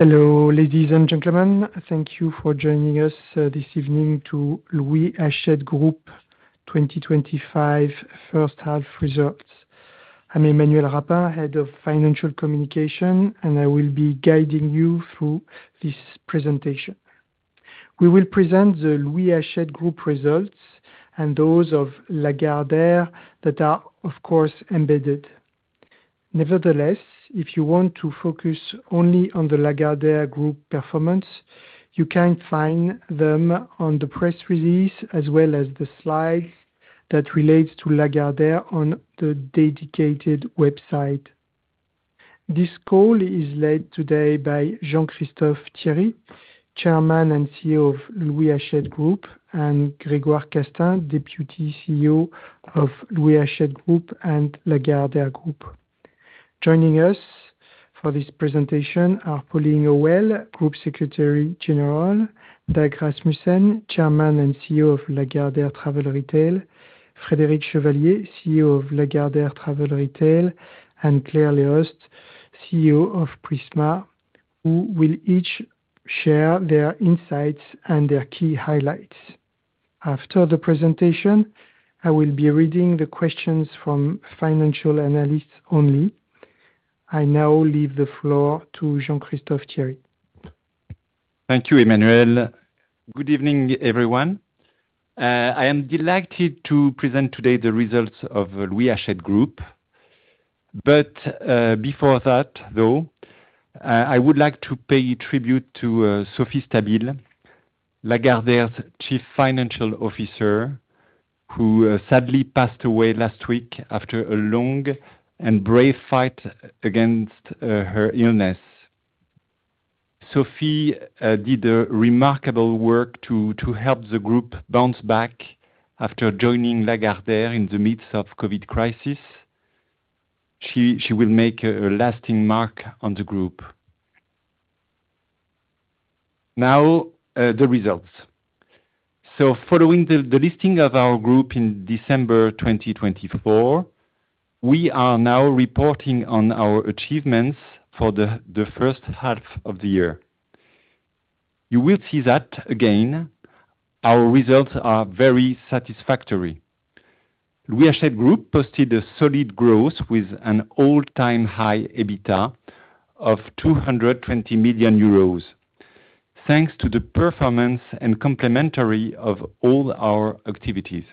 Hello, ladies and gentlemen. Thank you for joining us this evening to Louis Achede Group twenty twenty five First Half Results. I'm Emmanuel Rapa, Head of Financial Communication, and I will be guiding you through this presentation. We will present the Louis Achede Group results and those of Lagardere that are, of course, embedded. Nevertheless, if you want to focus only on the Lagardere group performance, you can find them on the press release as well as the slides that relates to Lagardere on the dedicated website. This call is led today by Jean Christophe Thierry, Chairman and CEO of Louis Achede Group and Gregoire Castan, Deputy CEO of Louis Achede Group and La Gardere Group. Joining us for this presentation are Pauline O'Hell, Group Secretary General Doug Rasmussen, Chairman and CEO of La Gardaire Travel Retail Frederic Chevalier, CEO of La Gardaire Travel Retail and Claire Liost, CEO of Prisma, who will each share their insights and their key highlights. After the presentation, I will be reading the questions from financial analysts only. I now leave the floor to Jean Christophe Thierry. Thank you, Emmanuel. Good evening, everyone. I am delighted to present today the results of the Rui Achet Group. But, before that, though, I would like to pay tribute to Sophie Stabil, Lagardere's chief financial officer who sadly passed away last week after a long and brave fight against, her illness. Sophie, did a remarkable work to to help the group bounce back after joining Lagardere in the midst of COVID crisis. She will make a lasting mark on the group. Now, the results. So following listing of our group in December 2024, we are now reporting on our achievements for the first half of the year. You will see that, again, our results are very satisfactory. Rui Achede Group posted a solid growth with an all time high EBITDA of 220 million euros, thanks to the performance and complementary of all our activities.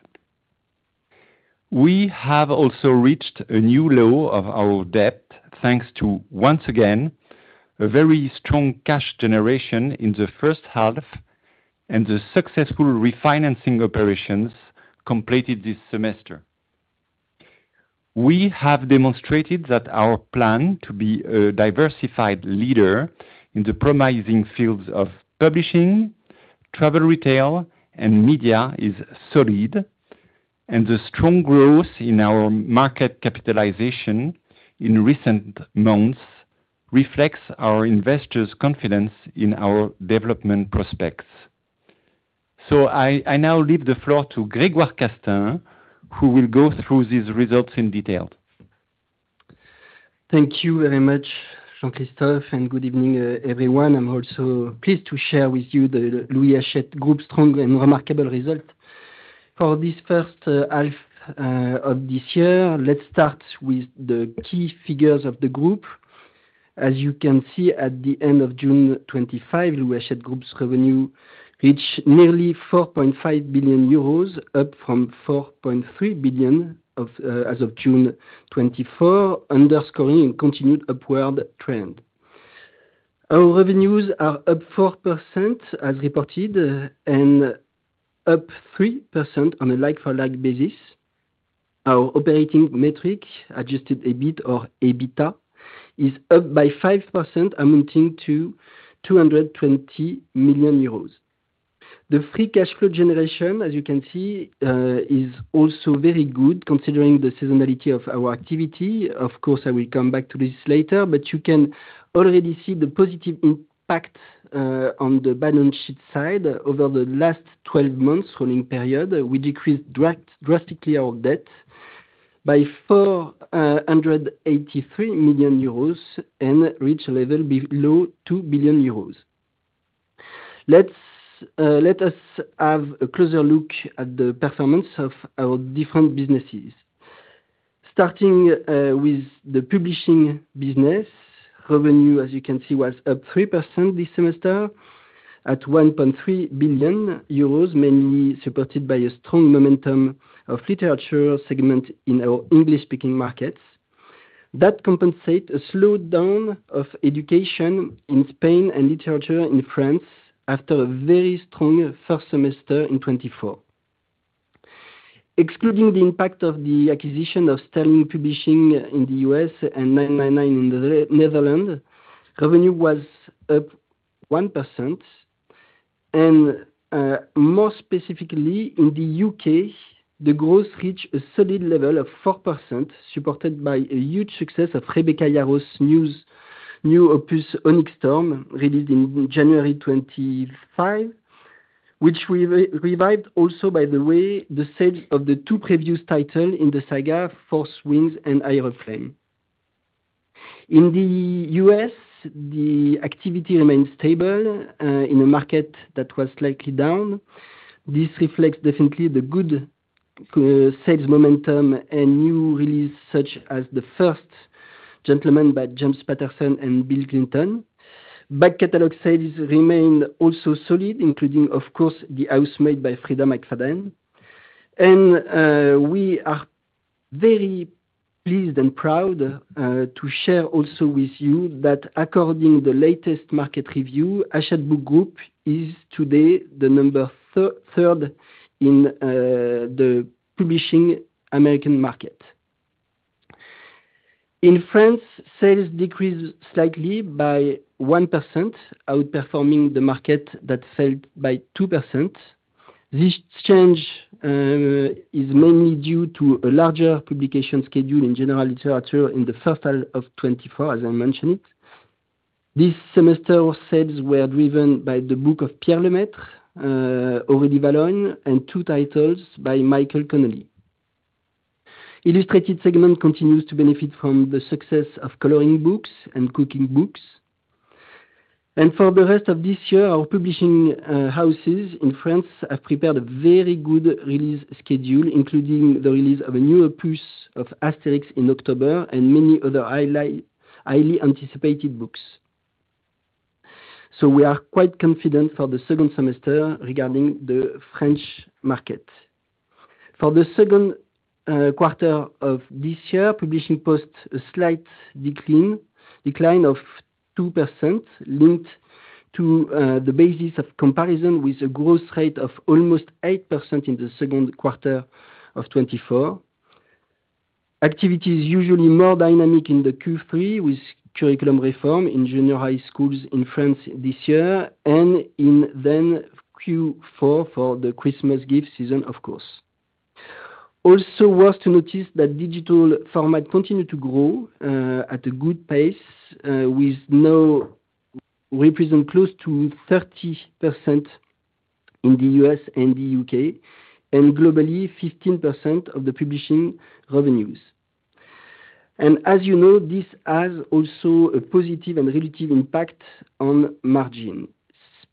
We have also reached a new low of our debt, thanks to once again a very strong cash generation in the first half and the successful refinancing operations completed this semester. We have demonstrated that our plan to be a diversified leader in the promising fields of publishing, travel retail and media is solid and the strong growth in our market capitalization in recent months reflects our investors' confidence in our development prospects. So I now leave the floor to Gregoire Castan, who will go through these results in detail. Thank you very much, Jean Christophe, and good evening, everyone. I'm also pleased to share with you the Louis Hachette Group's strong and remarkable result. For this first half of this year, let's start with the key figures of the group. As you can see, at the June, Louis Hachette Group's revenue reached nearly 4,500,000,000.0 euros, up from 4,300,000,000.0 as of June 24, underscoring continued upward trend. Our revenues are up 4% as reported and up 3% on a like for like basis. Our operating metric, adjusted EBIT or EBITA, is up by 5%, amounting to EUR $220,000,000. The free cash flow generation, as you can see, is also very good considering the seasonality of our activity. Of course, I will come back to this later. But you can already see the positive impact on the balance sheet side over the last twelve months rolling period. We decreased drastically our debt by EUR $483,000,000 and reached a level below 2,000,000,000 euros. Let us have a closer look at the performance of our different businesses. Starting with the Publishing business, revenue, as you can see, was up 3% this semester at €1,300,000,000 mainly supported by a strong momentum of literature segment in our English speaking markets. That compensate a slowdown of education in Spain and literature in France after a very strong first semester in 2024. Excluding the impact of the acquisition of Stellium Publishing in The U. S. And September in The Netherlands, revenue was up 1%. And more specifically, in The UK, the growth reached a solid level of 4%, supported by a huge success of Rebecca Laro's new Opus Onyxterm, released in January 25, which we revived also by the way the sales of the two previous title in the saga, Force Wings and Aeroplane. In The U. S, the activity remains stable in a market that was slightly down. This reflects definitely the good sales momentum and new release such as the first Gentleman by James Patterson and Bill Clinton. Bad Catalog sales remained also solid, including, of course, the house made by Frieda McFadden. And, we are very pleased and proud, to share also with you that according to the latest market review, Ashford Group is today the number third in the publishing American market. In France, sales decreased slightly by 1%, outperforming the market that fell by 2%. This change is mainly due to a larger publication schedule in general literature in the first half of twenty twenty four, as I mentioned. This semester, sales were driven by the book of Pierre Le Metre, Au revoir de Valonne and two titles by Michael Connolly. Illustrated segment continues to benefit from the success of coloring books and cooking books. And for the rest of this year, our publishing houses in France have prepared a very good release schedule, including the release of a new opus of Asterix in October and many other highly anticipated books. So we are quite confident for the second semester regarding the French market. For the second quarter of this year, publishing post a slight decline of 2% linked to the basis of comparison with a growth rate of almost 8% in the second quarter of twenty twenty four. Activity is usually more dynamic in the Q3 with curriculum reform in junior high schools in France this year and in then Q4 for the Christmas gift season, of course. Also worth to notice that digital format continued to grow at a good pace with now represent close to 30 in The U. S. And The UK, and globally, 15% of the publishing revenues. And as you know, this has also a positive and a negative impact on margin.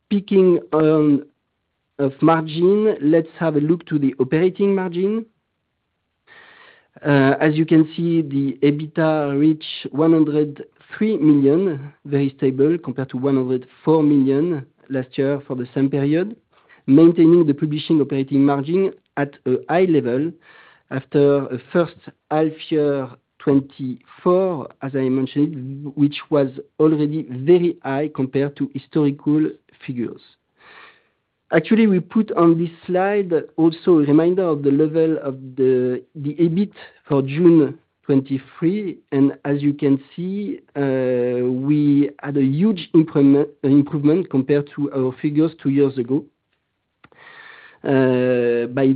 Speaking on of margin, let's have a look to the operating margin. As you can see, the EBITA reached 103,000,000, very stable compared to 104,000,000 last year for the same period, maintaining the provisioning operating margin at a high level after the first half year twenty twenty four, as I mentioned, which was already very high compared to historical figures. Actually, put on this slide also a reminder of the level of the EBIT for June 23. And as you can see, we had a huge improvement compared to our figures two years ago by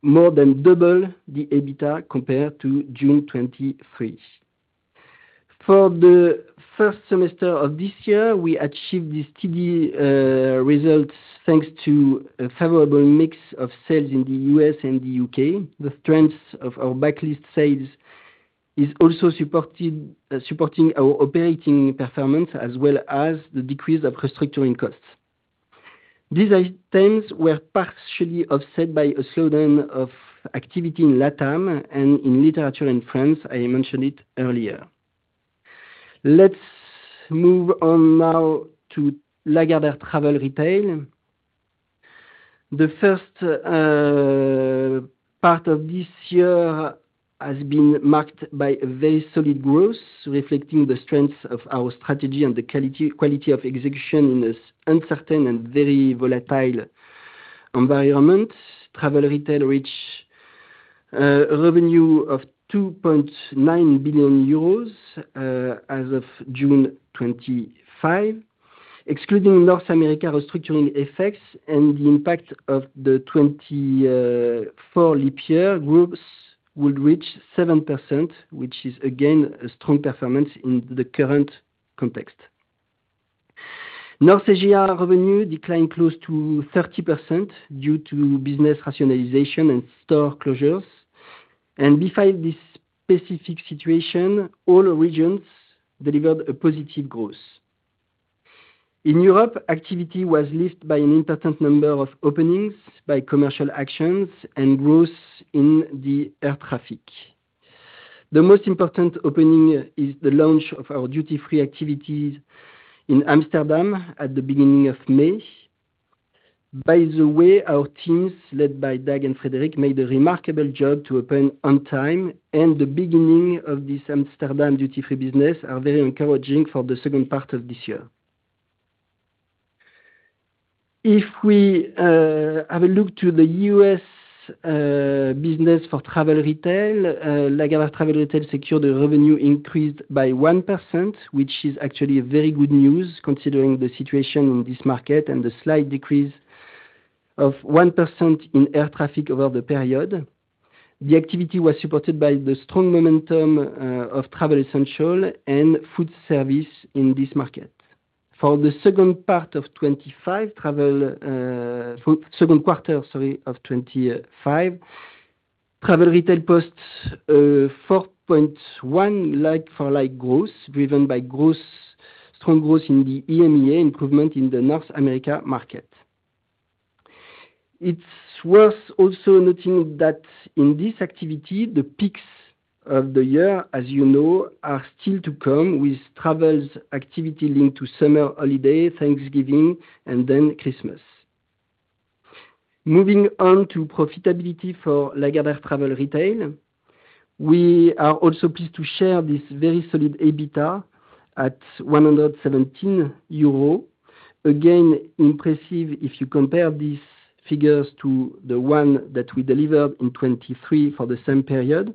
more than double the EBITDA compared to June 23. For the first semester of this year, we achieved this steady results, thanks to a favorable mix of sales in The U. S. And The UK, the strength of our backlist sales is also supporting our operating performance as well as the decrease of restructuring costs. These items were partially offset by a slowdown of activity in LatAm and in literature in France, I mentioned it earlier. Let's move on now to Lagardere Travel Retail. The first part of this year has been marked by a very solid growth, reflecting the strength of our strategy and the quality of execution in this uncertain and very volatile environment. Travel Retail reached a revenue of 2,900,000,000.0 euros as of June 25. Excluding North America restructuring effects and the impact of the twenty four leap year, groups would reach 7%, which is again a strong performance in the current context. North Asia revenue declined close to 30% due to business rationalization and store closures. And despite this specific situation, all regions delivered a positive growth. In Europe, activity was leased by an important number of openings by commercial actions and growth in the air traffic. The most important opening is the launch of our duty free activities in Amsterdam at the May. By the way, our teams led by Dag and Frederic made a remarkable job to open on time and the beginning of this Amsterdam duty free business are very encouraging for the second part of this year. If we have a look to The U. S. Business for Travel Retail, Lagardere Travel Retail secured revenue increased by 1%, which is actually a very good news considering the situation in this market and the slight decrease of 1% in air traffic over the period. The activity was supported by the strong momentum of Travel Essentials and Foodservice in this market. For the 2025 travel second quarter, sorry, of 2025, Travel Retail posted 4.1% like for like growth driven by growth strong growth in the EMEA improvement in the North America market. It's worth also noting that in this activity, the peaks of the year, as you know, are still to come with travels activity linked to summer holiday, Thanksgiving and then Christmas. Moving on to profitability for Lagardere Travel Retail. We are also pleased to share this very solid EBITA at 117 euros, again, impressive if you compare these figures to the one that we delivered in 2023 for the same period.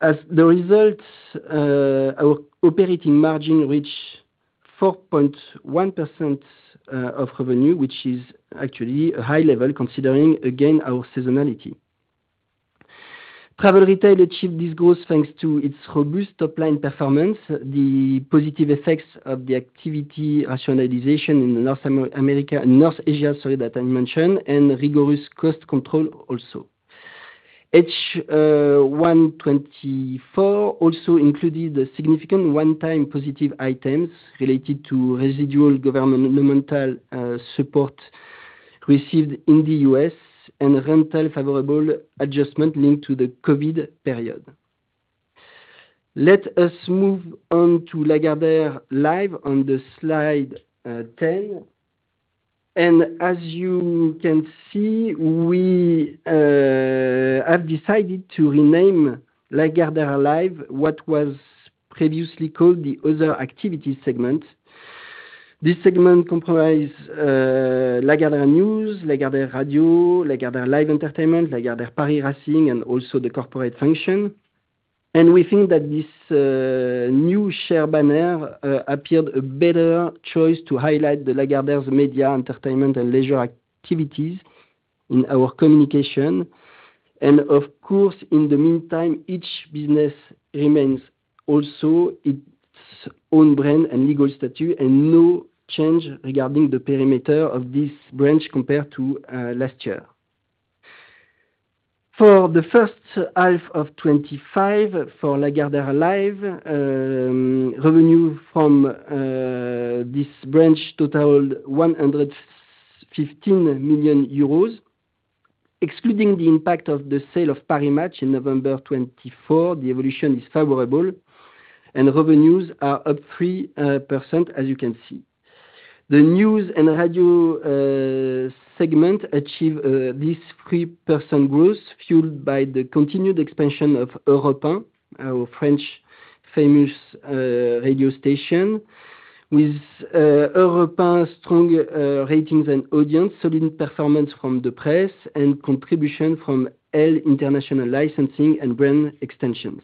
As the results, our operating margin reached 4.1% of revenue, which is actually a high level considering, again, our seasonality. Travel Retail achieved this growth, thanks to its robust top line performance, the positive effects of the activity rationalization in North America North Asia, sorry, that I mentioned and rigorous cost control also. H124 also included significant onetime positive items related to residual governmental support received in The U. S. And rental favorable adjustment linked to the COVID period. Let us move on to Lagardere live on the Slide 10. And as you can see, we have decided to rename Ligandera Live what was previously called the other activity segment. This segment comprise Lagardere News, Lagardere Radio, Lagardere Live Entertainment, Lagardere Paris Racing and also the corporate function. And we think that this new share banner appeared a better choice to highlight the Lagardere's media, entertainment and leisure activities in our communication. And of course, in the meantime, each business remains also its own brand and legal statue and no change regarding the perimeter of this branch compared to last year. For the 2025 for Lagardere Life, revenue from this branch totaled 115,000,000 euros. Excluding the impact of the sale of ParaMatch in November 24, the evolution is favorable, and revenues are up 3%, as you can see. The News and Radio segment achieved this 3% growth, fueled by the continued expansion of Europan, our French famous radio station, with Europa's strong ratings and audience, solid performance from the press and contribution from L International licensing and brand extensions.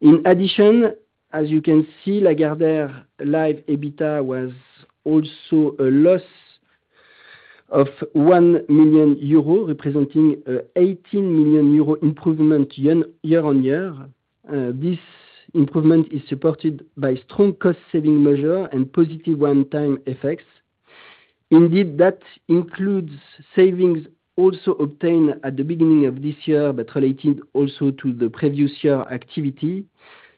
In addition, as you can see, Lagardere Life EBITDA was also a loss of 1,000,000 euro, representing 18,000,000 euro improvement year on year. This improvement is supported by strong cost saving measure and positive onetime effects. Indeed, that includes savings also obtained at the beginning of this year, but related also to the previous year activity.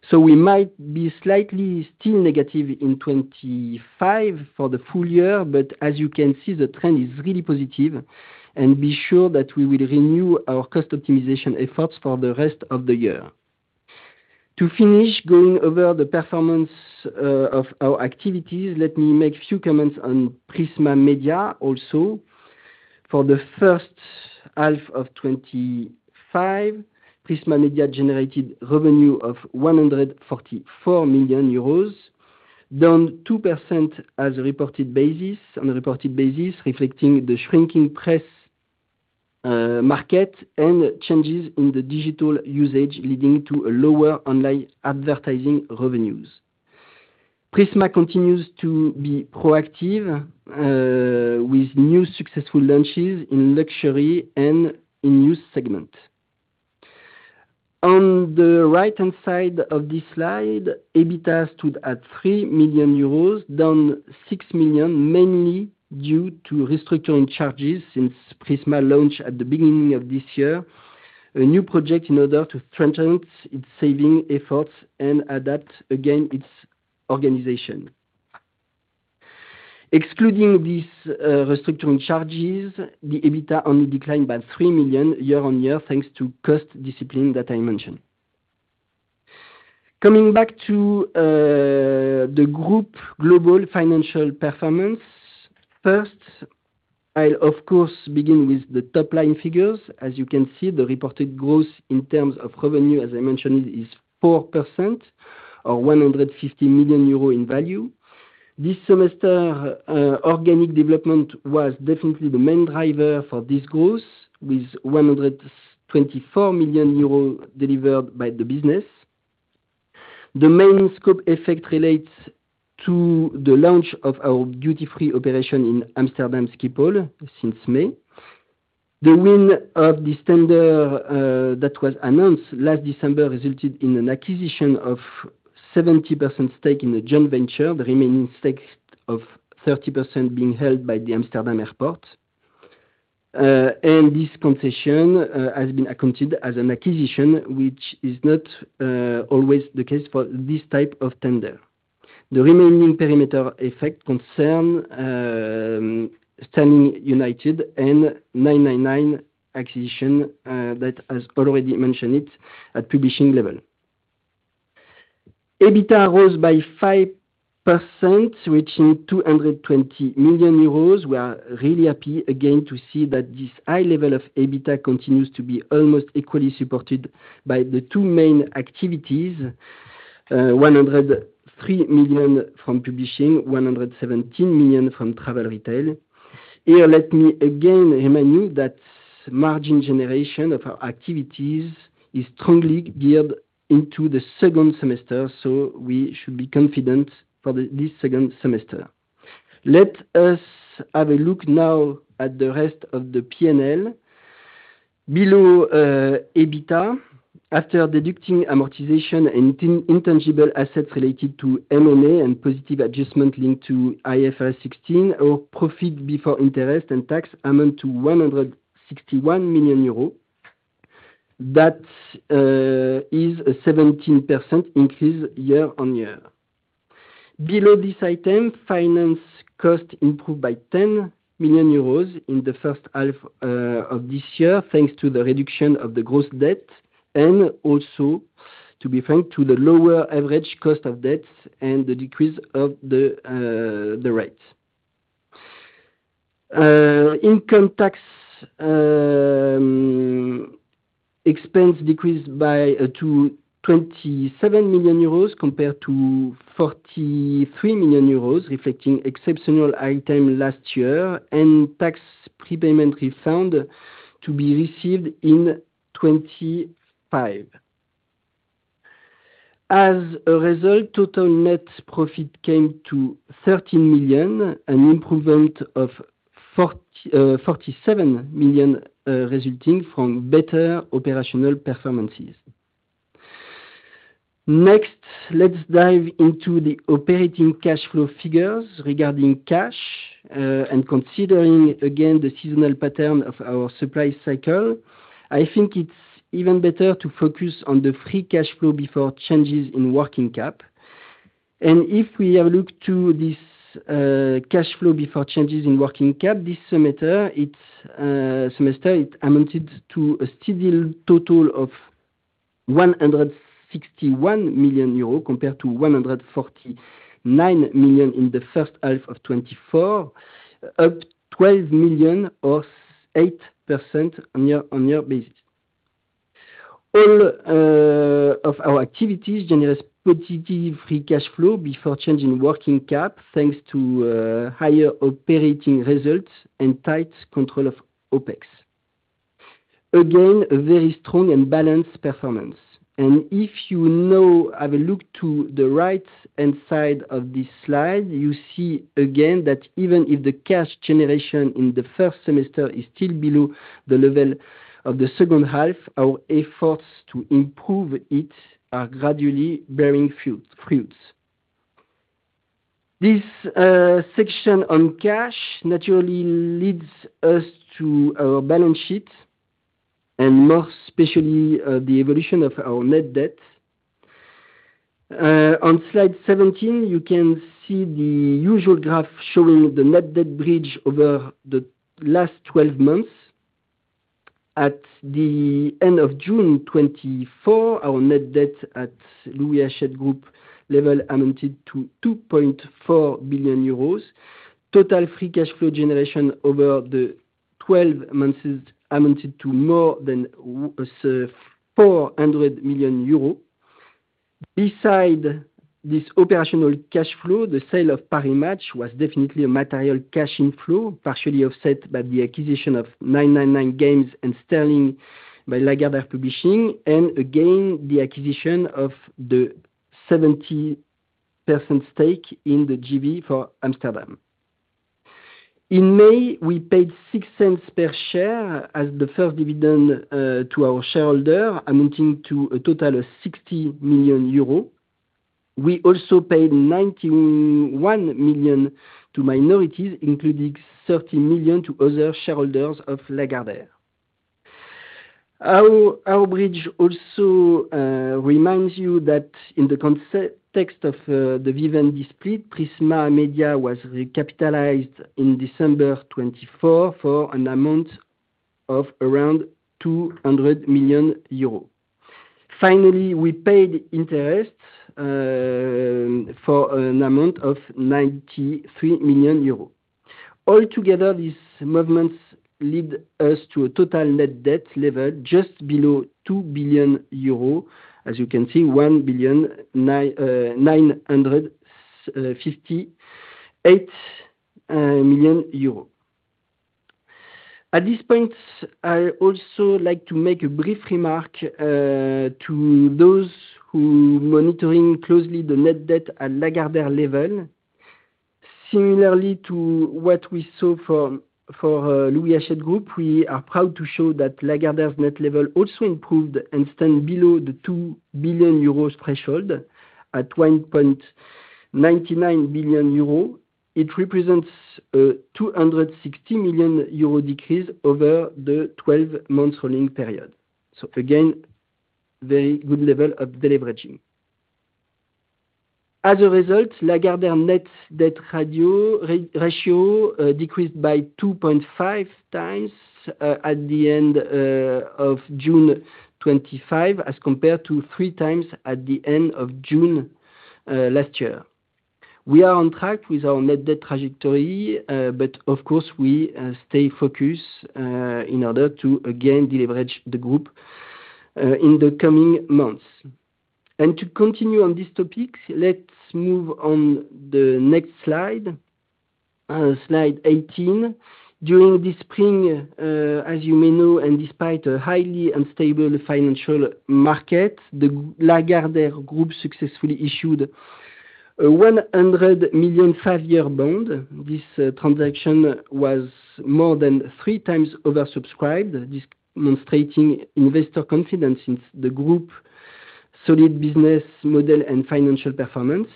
So we might be slightly still negative in 2025 for the full year. But as you can see, the trend is really positive and be sure that we will renew our cost optimization efforts for the rest of the year. To finish going over the performance of our activities, let me make a few comments on Prisma Media also. For the first half of twenty twenty five, Prisma Media generated revenue of €144,000,000 down 2% on a reported basis, reflecting the shrinking press market and changes in the digital usage leading to a lower online advertising revenues. Prisma continues to be proactive with new successful launches in luxury and News segment. On the right hand side of this slide, EBITDA stood at 3,000,000 euros, down 6,000,000, mainly due to restructuring charges since Prisma launched at the beginning of this year, a new project in order to strengthen its saving efforts and adapt again its organization. Excluding these restructuring charges, the EBITDA only declined by 3,000,000 year on year, thanks to cost discipline that I mentioned. Coming back to the group global financial performance. First, I'll, of course, begin with the top line figures. As you can see, the reported growth in terms of revenue, as I mentioned, is 4% or 150,000,000 euro in value. This semester, organic development was definitely the main driver for this growth with €124,000,000 delivered by the business. The main scope effect relates to the launch of our duty free operation in Amsterdam Schiphol since May. The win of this tender that was announced last December resulted in an acquisition of 70% stake in the joint venture, the remaining stake of 30% being held by the Amsterdam Airport. And this concession, has been accounted as an acquisition, which is not always the case for this type of tender. The remaining perimeter effect concern Stanley United and nine ninety nine acquisition that has already mentioned it at publishing level. EBITA rose by 5%, reaching EUR $220,000,000. We are really happy again to see that this high level of EBITA continues to be almost equally supported by the two main activities, 103,000,000 from Publishing, 117,000,000 from Travel Retail. Here, let me again remind you that margin generation of our activities is strongly geared into the second semester, so we should be confident for this second semester. Let us have a look now at the rest of the P and L. Below EBITA, after deducting amortization and intangible assets related to M and A and positive adjustment linked to IFRS 16, our profit before interest and tax amount to 161,000,000 euros. That is a 17% increase year on year. Below this item, finance cost improved by 10,000,000 euros in the first half of this year, thanks to the reduction of the gross debt and also, to be frank, to the lower average cost of debt and the decrease of the rates. Income tax expense decreased by to 27,000,000 euros compared to 43,000,000 euros, reflecting exceptional item last year and tax prepayment refund to be received in 2025. As a result, total net profit came to 13,000,000, an improvement of 47,000,000, resulting from better operational performances. Next, let's dive into the operating cash flow figures regarding cash and considering again the seasonal pattern of our supply cycle, I think it's even better to focus on the free cash flow before changes in working cap. And if we have looked to this cash flow before changes in working cap, this semester, it amounted to a steady total of 161,000,000 euro compared to EUR €149,000,000 in the first half of twenty twenty four, up €12,000,000 or 8% on year on year basis. All of our activities generates positive free cash flow before changing working cap, thanks to higher operating results and tight control of OpEx. Again, a very strong and balanced performance. And if you know, have a look to the right hand side of this slide, you see again that even if the cash generation in the first semester is still below the level of the second half, our efforts to improve it are gradually bearing fruits. This section on cash naturally leads us to our balance sheet and more especially the evolution of our net debt. On Slide 17, you can see the usual graph showing the net debt bridge over the last twelve months. At the June, our net debt at Louis Hachette Group level amounted to 2,400,000,000.0 euros. Total free cash flow generation over the twelve months amounted to more than 400,000,000 euros. Beside this operational cash flow, the sale of Paris Match was definitely a material cash inflow, partially offset by the acquisition of nine ninety nine Games and Sterling by Lagardere Publishing and again, the acquisition of the 70% stake in the JV for Amsterdam. In May, we paid zero six per share as the first dividend to our shareholder, amounting to a total of 60,000,000 euros. We also paid 91,000,000 to minorities, including 30,000,000 to other shareholders of Lagardere. Our bridge also reminds you that in the context of the Vivendi split, Prisma Media was recapitalized in December 24 for an amount of around 200,000,000 euro. Finally, we paid interest for an amount of 93,000,000 euro. Altogether, these movements lead us to a total net debt level just below 2,000,000,000 euro, as you can see, 1.9508 At this point, I also like to make a brief remark to those who monitoring closely the net debt at Lagardere level. Similarly to what we saw for Louis Hachette Group, we are proud to show that Lagardere's net level also improved and stand below the 2,000,000,000 euros threshold at 1,990,000,000.00 euro. It represents a EUR $260,000,000 decrease over the twelve months rolling period. So again, very good level of deleveraging. As a result, Lagardere net debt ratio decreased by 2.5x at the June 2025 as compared to three times at the June. We are on track with our net debt trajectory, but of course, we stay focused in order to again deleverage the group in the coming months. And to continue on these topics, let's move on the next slide, Slide 18. During the spring, as you may know, and despite a highly unstable financial market, the Lagardere Group successfully issued €100,000,000 five year bond. This transaction was more than three times oversubscribed, demonstrating investor confidence in the group's solid business model and financial performance.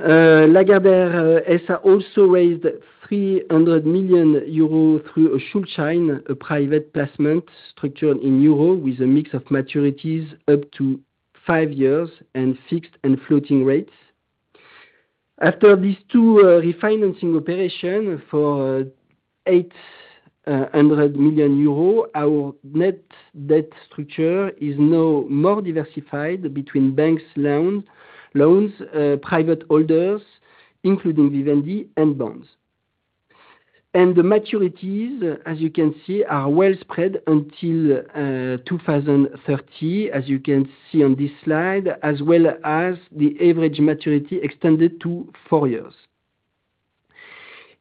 Lagardere ESA also raised 300,000,000 euros through Schulchaine, a private placement structured in euro with a mix of maturities up to five years and fixed and floating rates. After these two refinancing operation for 800,000,000 euro, our net debt structure is now more diversified between banks loans, private holders, including Vivendi and bonds. And the maturities, as you can see, are well spread until 02/1930, as you can see on this slide, as well as the average maturity extended to four years.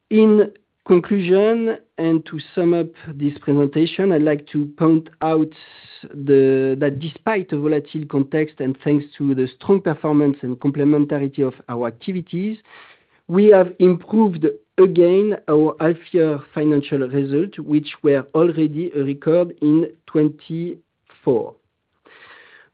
In conclusion and to sum up this presentation, I'd like to point out that despite a volatile context and thanks to the strong performance and complementarity of our activities, we have improved again our half year financial result, which were already a record in 2024.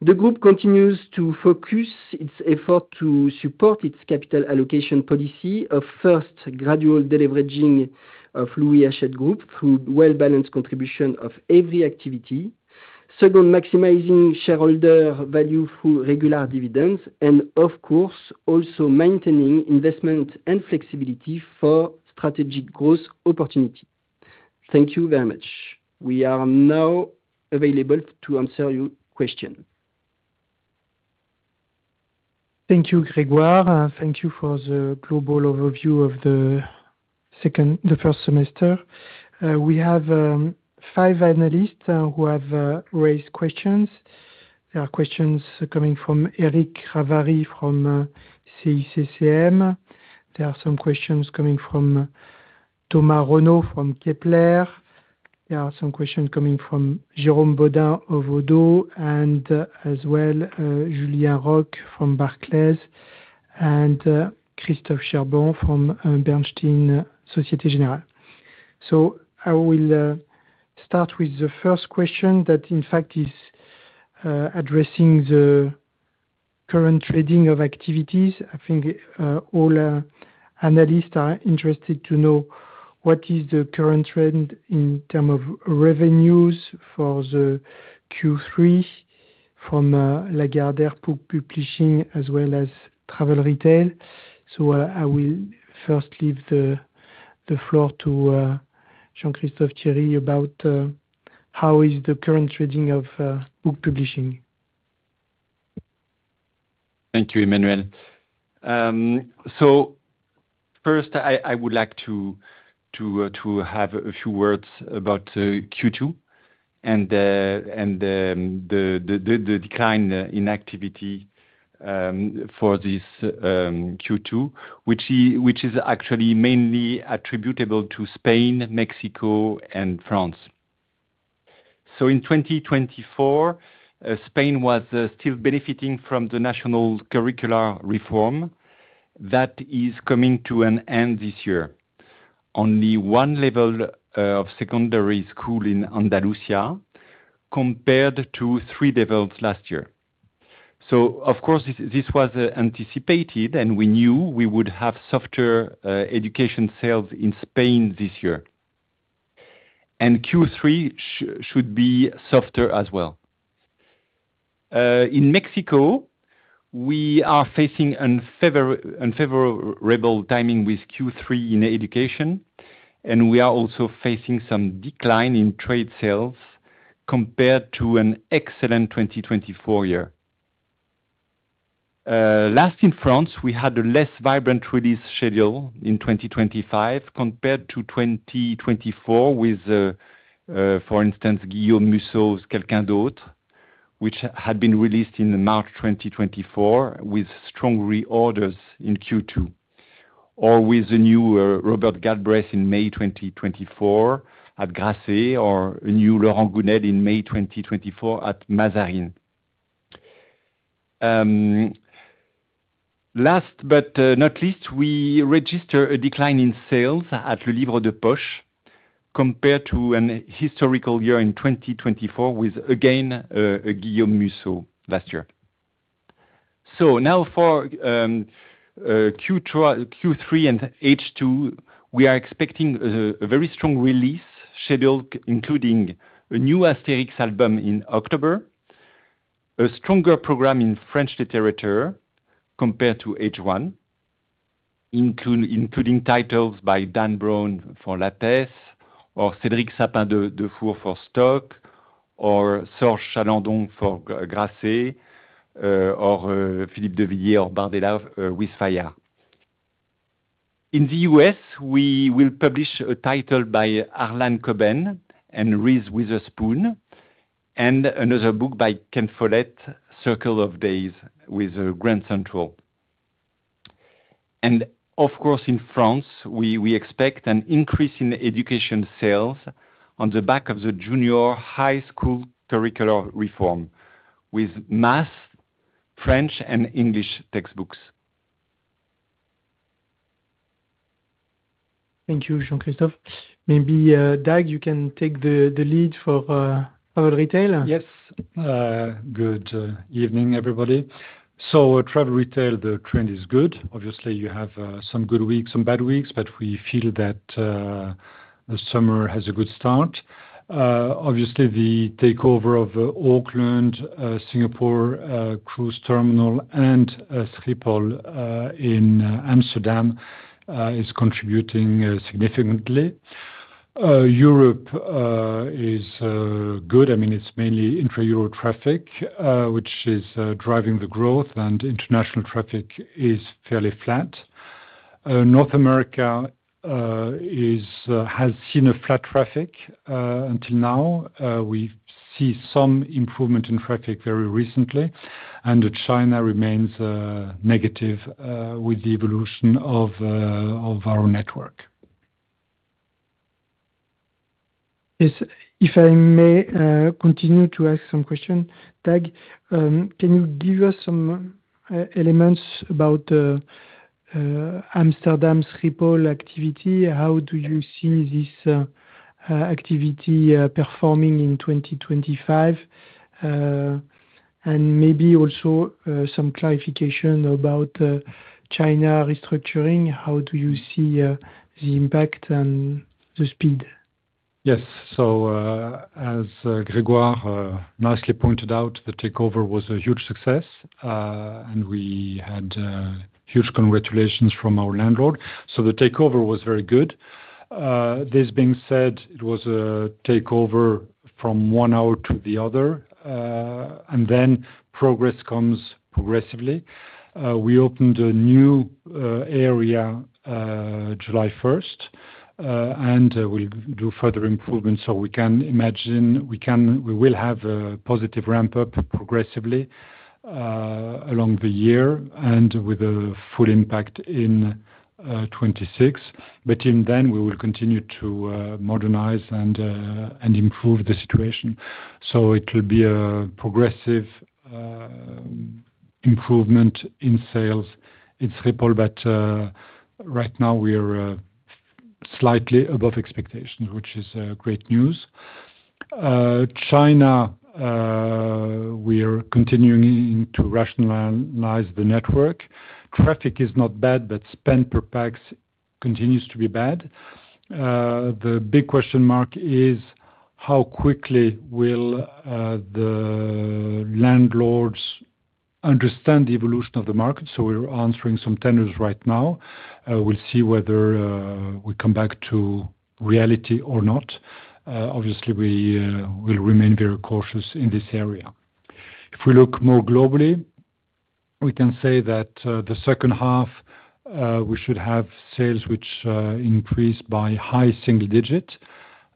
The group continues to focus its effort to support its capital allocation policy of first gradual deleveraging of Louis Ashed Group through well balanced contribution of every activity. Second, maximizing shareholder value through regular dividends and of course, also maintaining investment and flexibility for strategic growth opportunity. Thank you very much. We are now available to answer your question. Thank you, Gregoire. Thank you for the global overview of the second the first semester. We have five analysts who have raised questions. There are questions coming from Eric Ravari from CCCM. There are some questions coming from Thomas Renaud from Kepler. There are some questions coming from Jerome Bodin of ODDO and as well, Julia Roch from Barclays and Christophe Cherbourn from Bernstein Societe Generale. So I will start with the first question that, in fact, is addressing the current trading of activities. I think all analysts are interested to know what is the current trend in terms of revenues for the Q3 from Lagardere Publishing as well as Travel Retail. So I will first leave the floor to Jean Christophe Thierry about how is the current trading of book publishing. Thank you, Emmanuel. So first, I would like to have a few words about Q2 and the decline in activity, for this Q2, which is actually mainly attributable to Spain, Mexico and France. So in 2024, Spain was still benefiting from the National Curricular Reform that is coming to an end this year. Only one level of secondary school in Andalusia compared to three levels last year. So of course, this was anticipated and we knew we would have softer education sales in Spain this year. And Q3 should be softer as well. In Mexico, we are facing unfavorable timing with Q3 in Education, and we are also facing some decline in trade sales compared to an excellent 2024 year. Last in France, we had a less vibrant release schedule in 2025 compared to 2024 with, for instance, Guillaume Museau's Calcandote, which had been released in March 2024 with strong reorders in Q2 or with the new Robert Galbraith in May 2024 at Grasse or a new Laurent Gonet in May 2024 at Mazarin. Last but not least, we register a decline in sales at L'olivre des Poche compared to a historical year in 2024 with again a Guillaume Musso last year. So now for Q3 and H2, we are expecting a very strong release scheduled including a new Asterix album in October, a stronger program in French literature compared to H1, including titles by Dan Brown for Lattice or Cedric Sappin de Foure for stock or Sourd Challendon for Grasse or Philippe de Vieille or Bandelas with FIA. In The US, we will publish a title by Arlan Cobain and Riese Witherspoon and another book by Ken Follett, Circle of Days with Grand Central. And, of course, in France, we we expect an increase in education sales on the back of the junior high school curricular reform with math, French, and English textbooks. Thank you, Jean Christophe. Maybe, Doug, you can take the the lead for travel retail. Yes. Good evening, everybody. So travel retail, the trend is good. Obviously, you have some good weeks, some bad weeks, but we feel that the summer has a good start. Obviously, the takeover of Auckland, Singapore, cruise terminal and Schiphol in Amsterdam is contributing significantly. Europe is good. I mean, it's mainly intra Euro traffic, which is driving the growth and international traffic is fairly flat. North America has seen a flat traffic until now. We see some improvement in traffic very recently and China remains negative with the evolution of our network. If I may continue to ask some questions, Tag, can you give us some elements about Amsterdam's Ripple activity? How do you see this activity performing in 2025? And maybe also some clarification about China restructuring, how do you see the impact and the speed? Yes. So as Gregor nicely pointed out, the takeover was a huge success, and we had huge congratulations from our landlord. So the takeover was very good. This being said, it was a takeover from one hour to the other, and then progress comes progressively. We opened a new area July 1, and we'll do further improvements. So we can imagine we will have a positive ramp up progressively along the year and with a full impact in 2026. But in then, we will continue to modernize and improve the situation. So it will be a progressive improvement in sales in triple, but right now, we are slightly above expectations, which is great news. China, we are continuing to rationalize the network. Traffic is not bad, but spend per pax continues to be bad. The big question mark is how quickly will the landlords understand the evolution of the market. So we're answering some tenders right now. We'll see whether, we come back to reality or not. Obviously, we will remain very cautious in this area. If we look more globally, we can say that the second half, we should have sales which increased by high single digit.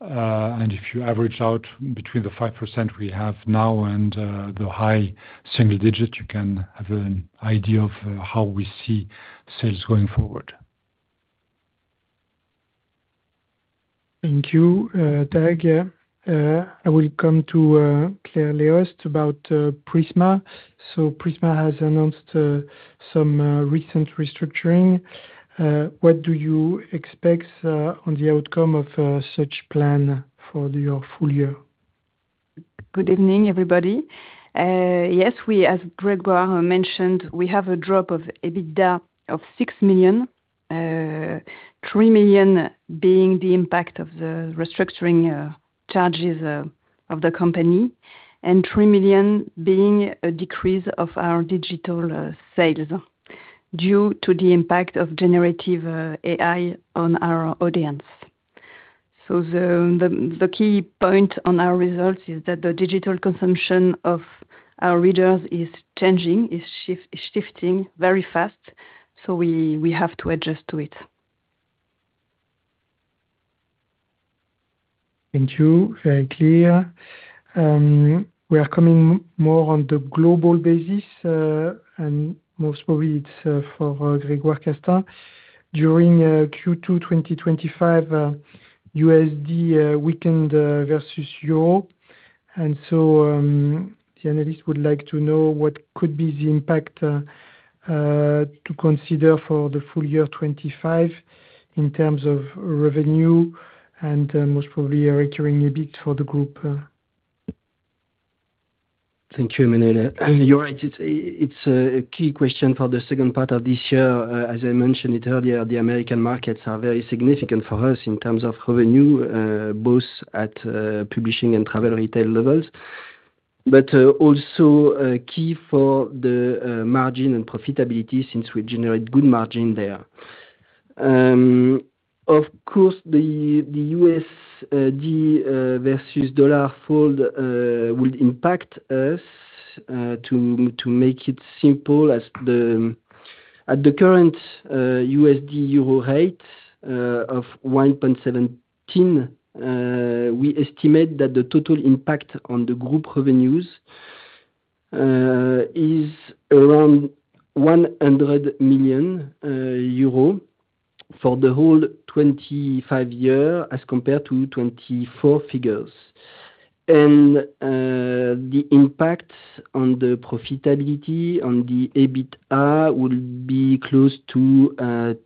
And if you average out between the 5% we have now and the high single digit, you can have an idea of how we see sales going forward. Thank you, Tag. Yeah. I will come to, clear Leos about Prisma. So Prisma has announced some, recent restructuring. What do you expect on the outcome of such plan for your full year? Good evening, everybody. Yes, we as Gregor mentioned, we have a drop of EBITDA of 6,000,000, 3,000,000 being the impact of the restructuring charges of the company and 3,000,000 being a decrease of our digital sales due to the impact of generative AI on our audience. So the the the key point on our results is that the digital consumption of our readers is changing, is shift shifting very fast, So we have to adjust to it. Thank you. Very clear. We are coming more on the global basis, and most probably, it's for Gregor Casta. During Q2 twenty twenty five, USD weakened versus Europe. And so the analyst would like to know what could be the impact to consider for the full year 2025 in terms of revenue and most probably recurring EBIT for the group. Thank you, Emmanuel. You're right. It's a key question for the second part of this year. As I mentioned it earlier, the American markets are very significant for us in terms of revenue, both at Publishing and Travel Retail levels. But also a key for the margin and profitability since we generate good margin there. Of course, the USD versus dollar fold would impact us to make it simple as the at the current USD 0.8 of 1.17, we estimate that the total impact on the group revenues is around 100,000,000 euro for the whole twenty five year as compared to 24 figures. And the impact on the profitability on the EBITDA will be close to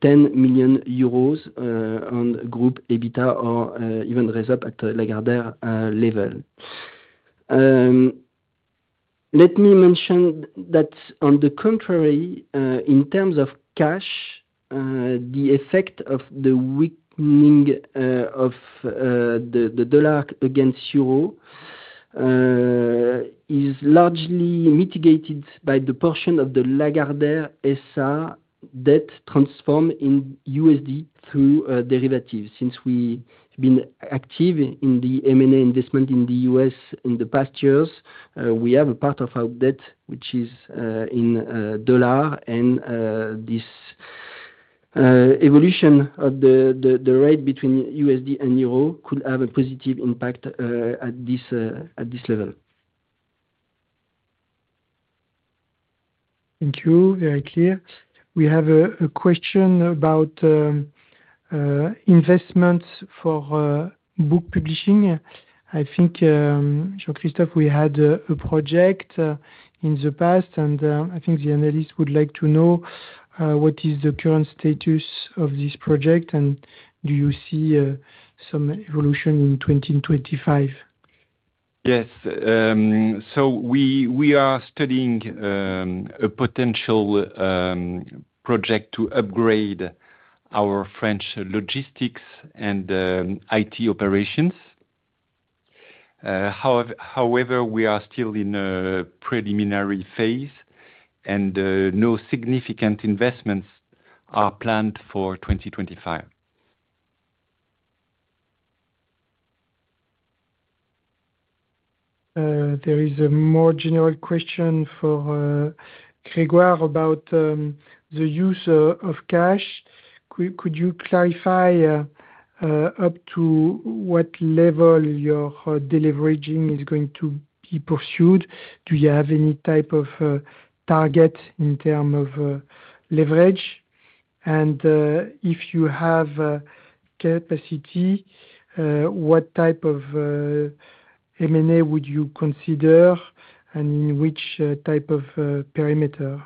10,000,000 euros on group EBITDA or even result at Lagardere level. Let me mention that on the contrary, in terms of cash, the effect of the weakening of the dollar against euro is largely mitigated by the portion of the Lagardere SA debt transformed in USD through derivatives. Since we've been active in the M and A investment in The U. S. In the past years. We have a part of our debt, which is in dollar. And this evolution of the rate between USD and euro could have a positive impact at this level. Thank you. Very clear. We have a question about investments for Book Publishing. I think, Jean Christophe, we had project in the past, and I think the analyst would like to know what is the current status of this project. And do you see some evolution in 2025? Yes. So we we are studying a potential project to upgrade our French logistics and IT operations. However, we are still in a preliminary phase, and no significant investments are planned for 2025. There is a more general question for Gregoire about the use of cash. Could you clarify up to what level your deleveraging is going to be pursued? Do you have any type of target in term of leverage? And if you have a capacity, what type of M and A would you consider and which type of perimeter?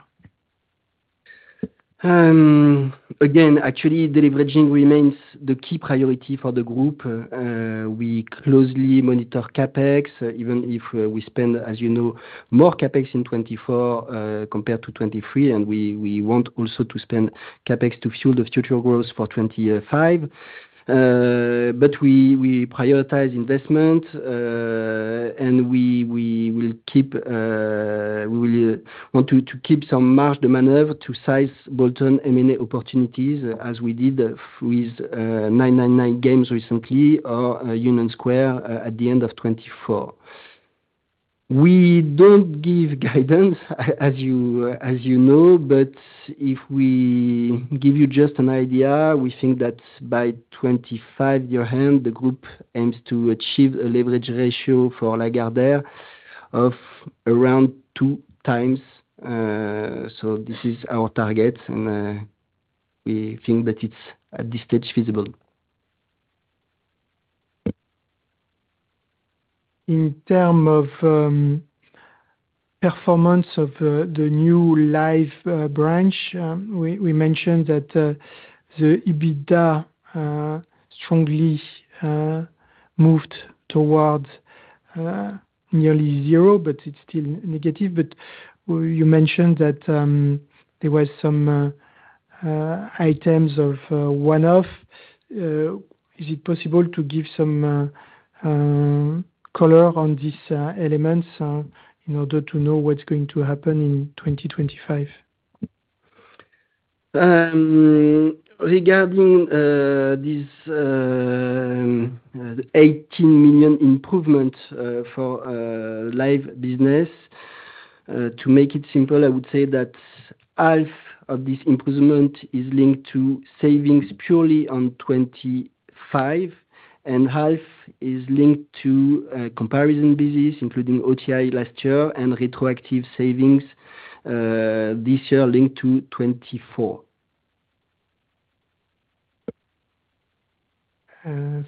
Again, actually, deleveraging remains the key priority for the group. We closely monitor CapEx even if we spend, as you know, more CapEx in 2024 compared to 2023, and we want also to spend CapEx to fuel the future growth for 2025. But we prioritize investment, and we will keep we will want to keep some margin to size bolt on M and A opportunities as we did with nine ninety nine games recently Union Square at the end of twenty twenty four. We don't give guidance as you know, but if we give you just an idea, we think that by '25 end, the group aims to achieve a leverage ratio for Lagardere of around two times. So this is our target, and we think that it's, at this stage, feasible. In term of performance of the new Life branch, we mentioned that the EBITDA strongly moved towards nearly zero, but it's still negative. But you mentioned that there were some items of one off. Is it possible to give some color on these elements in order to know what's going to happen in 2025? Regarding this 18,000,000 improvement for live business, to make it simple, I would say that half of this improvement is linked to savings purely on 25% and half is linked to comparison basis, including OTI last year and retroactive savings this year linked to '24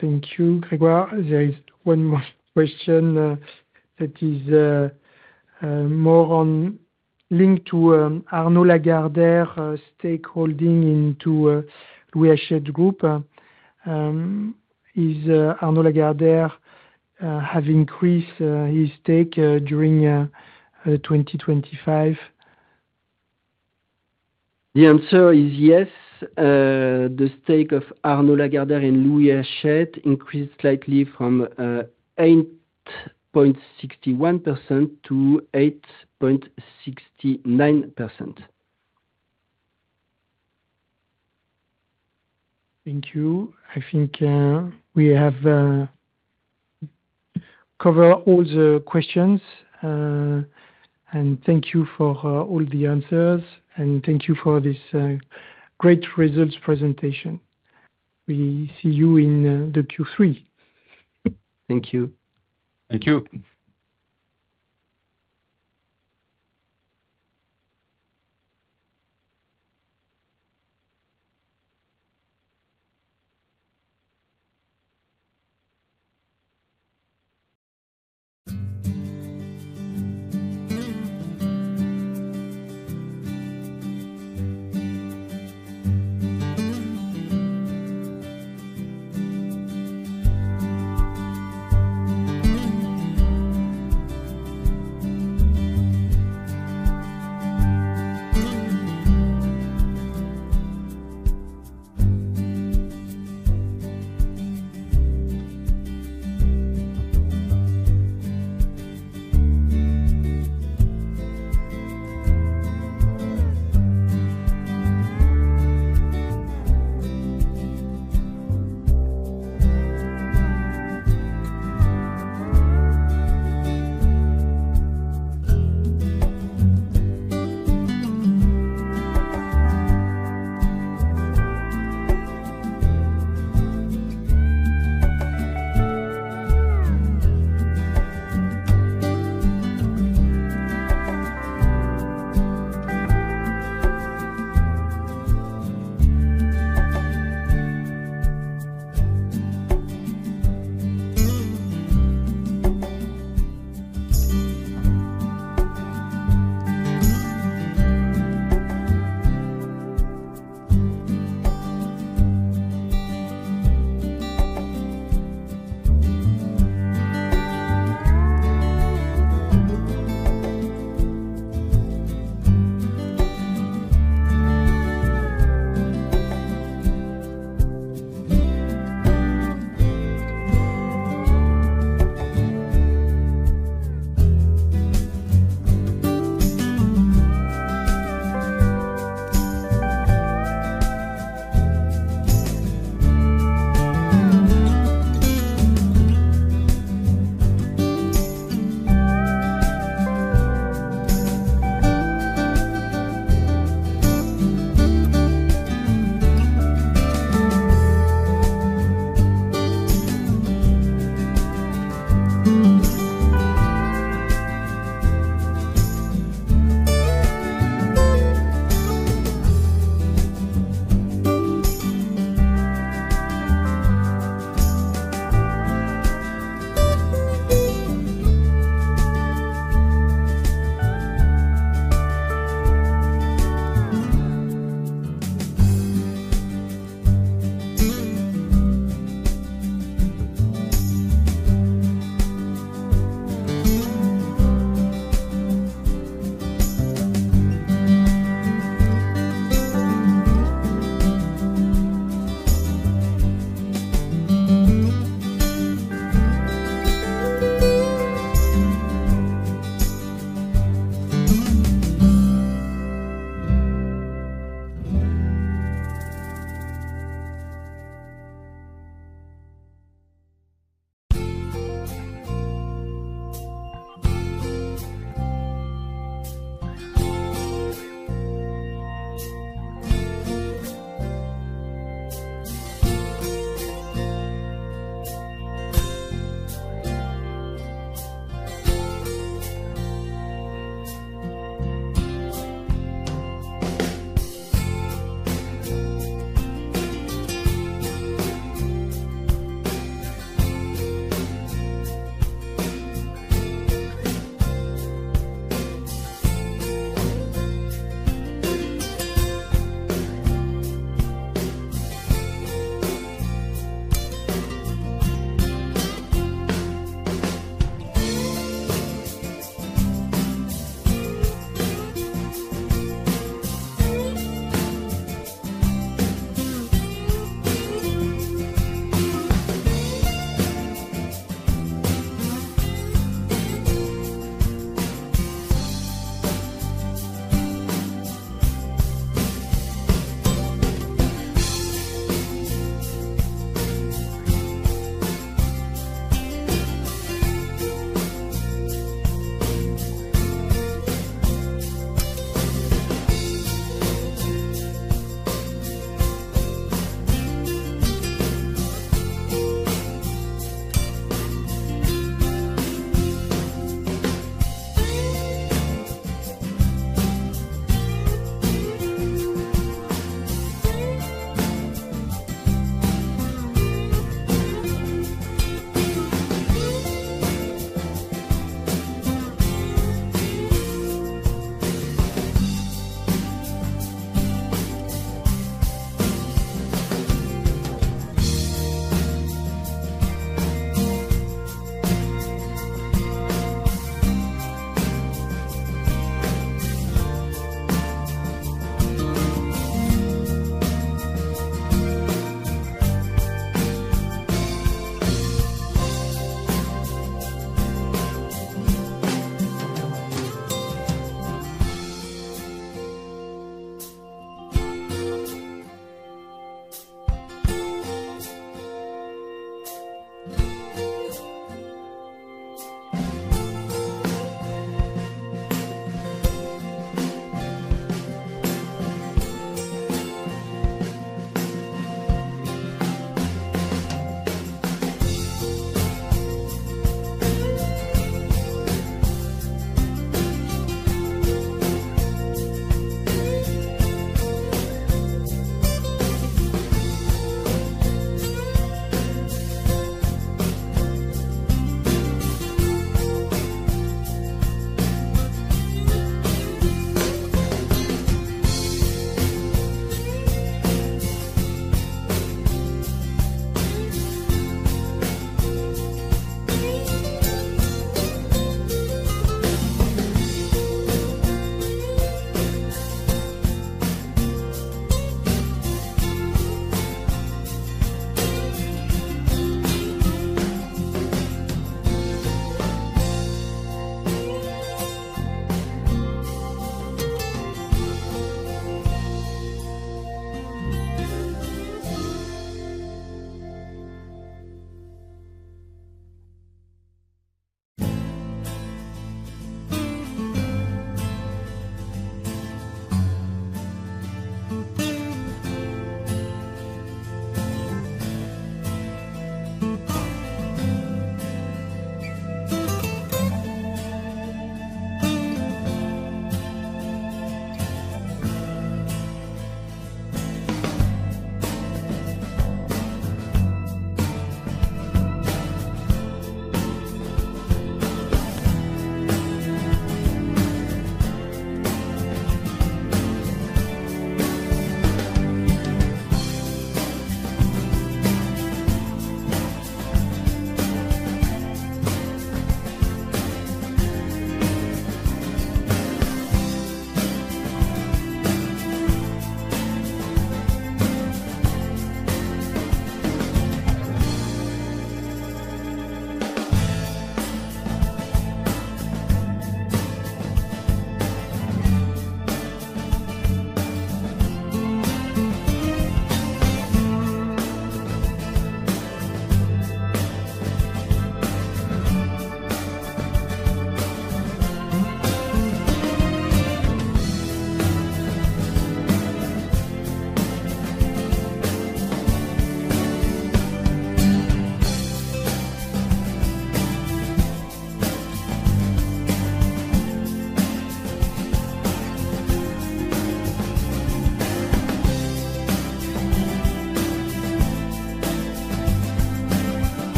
Thank you, Gregor. There is one more question that is more on linked to Arnaud Lagardere's stakeholding into Rui Hachette Group. Is Arnaud Lagardere have increased his stake during 2025? The answer is yes. The stake of Arnaud Lagardere and Louis Herchette increased slightly from, 8.61% to 8.69%. Thank you. I think we have covered all the questions. And thank you for all the answers, and thank you for this great results presentation. We see you in the Q3. Thank you. Thank you.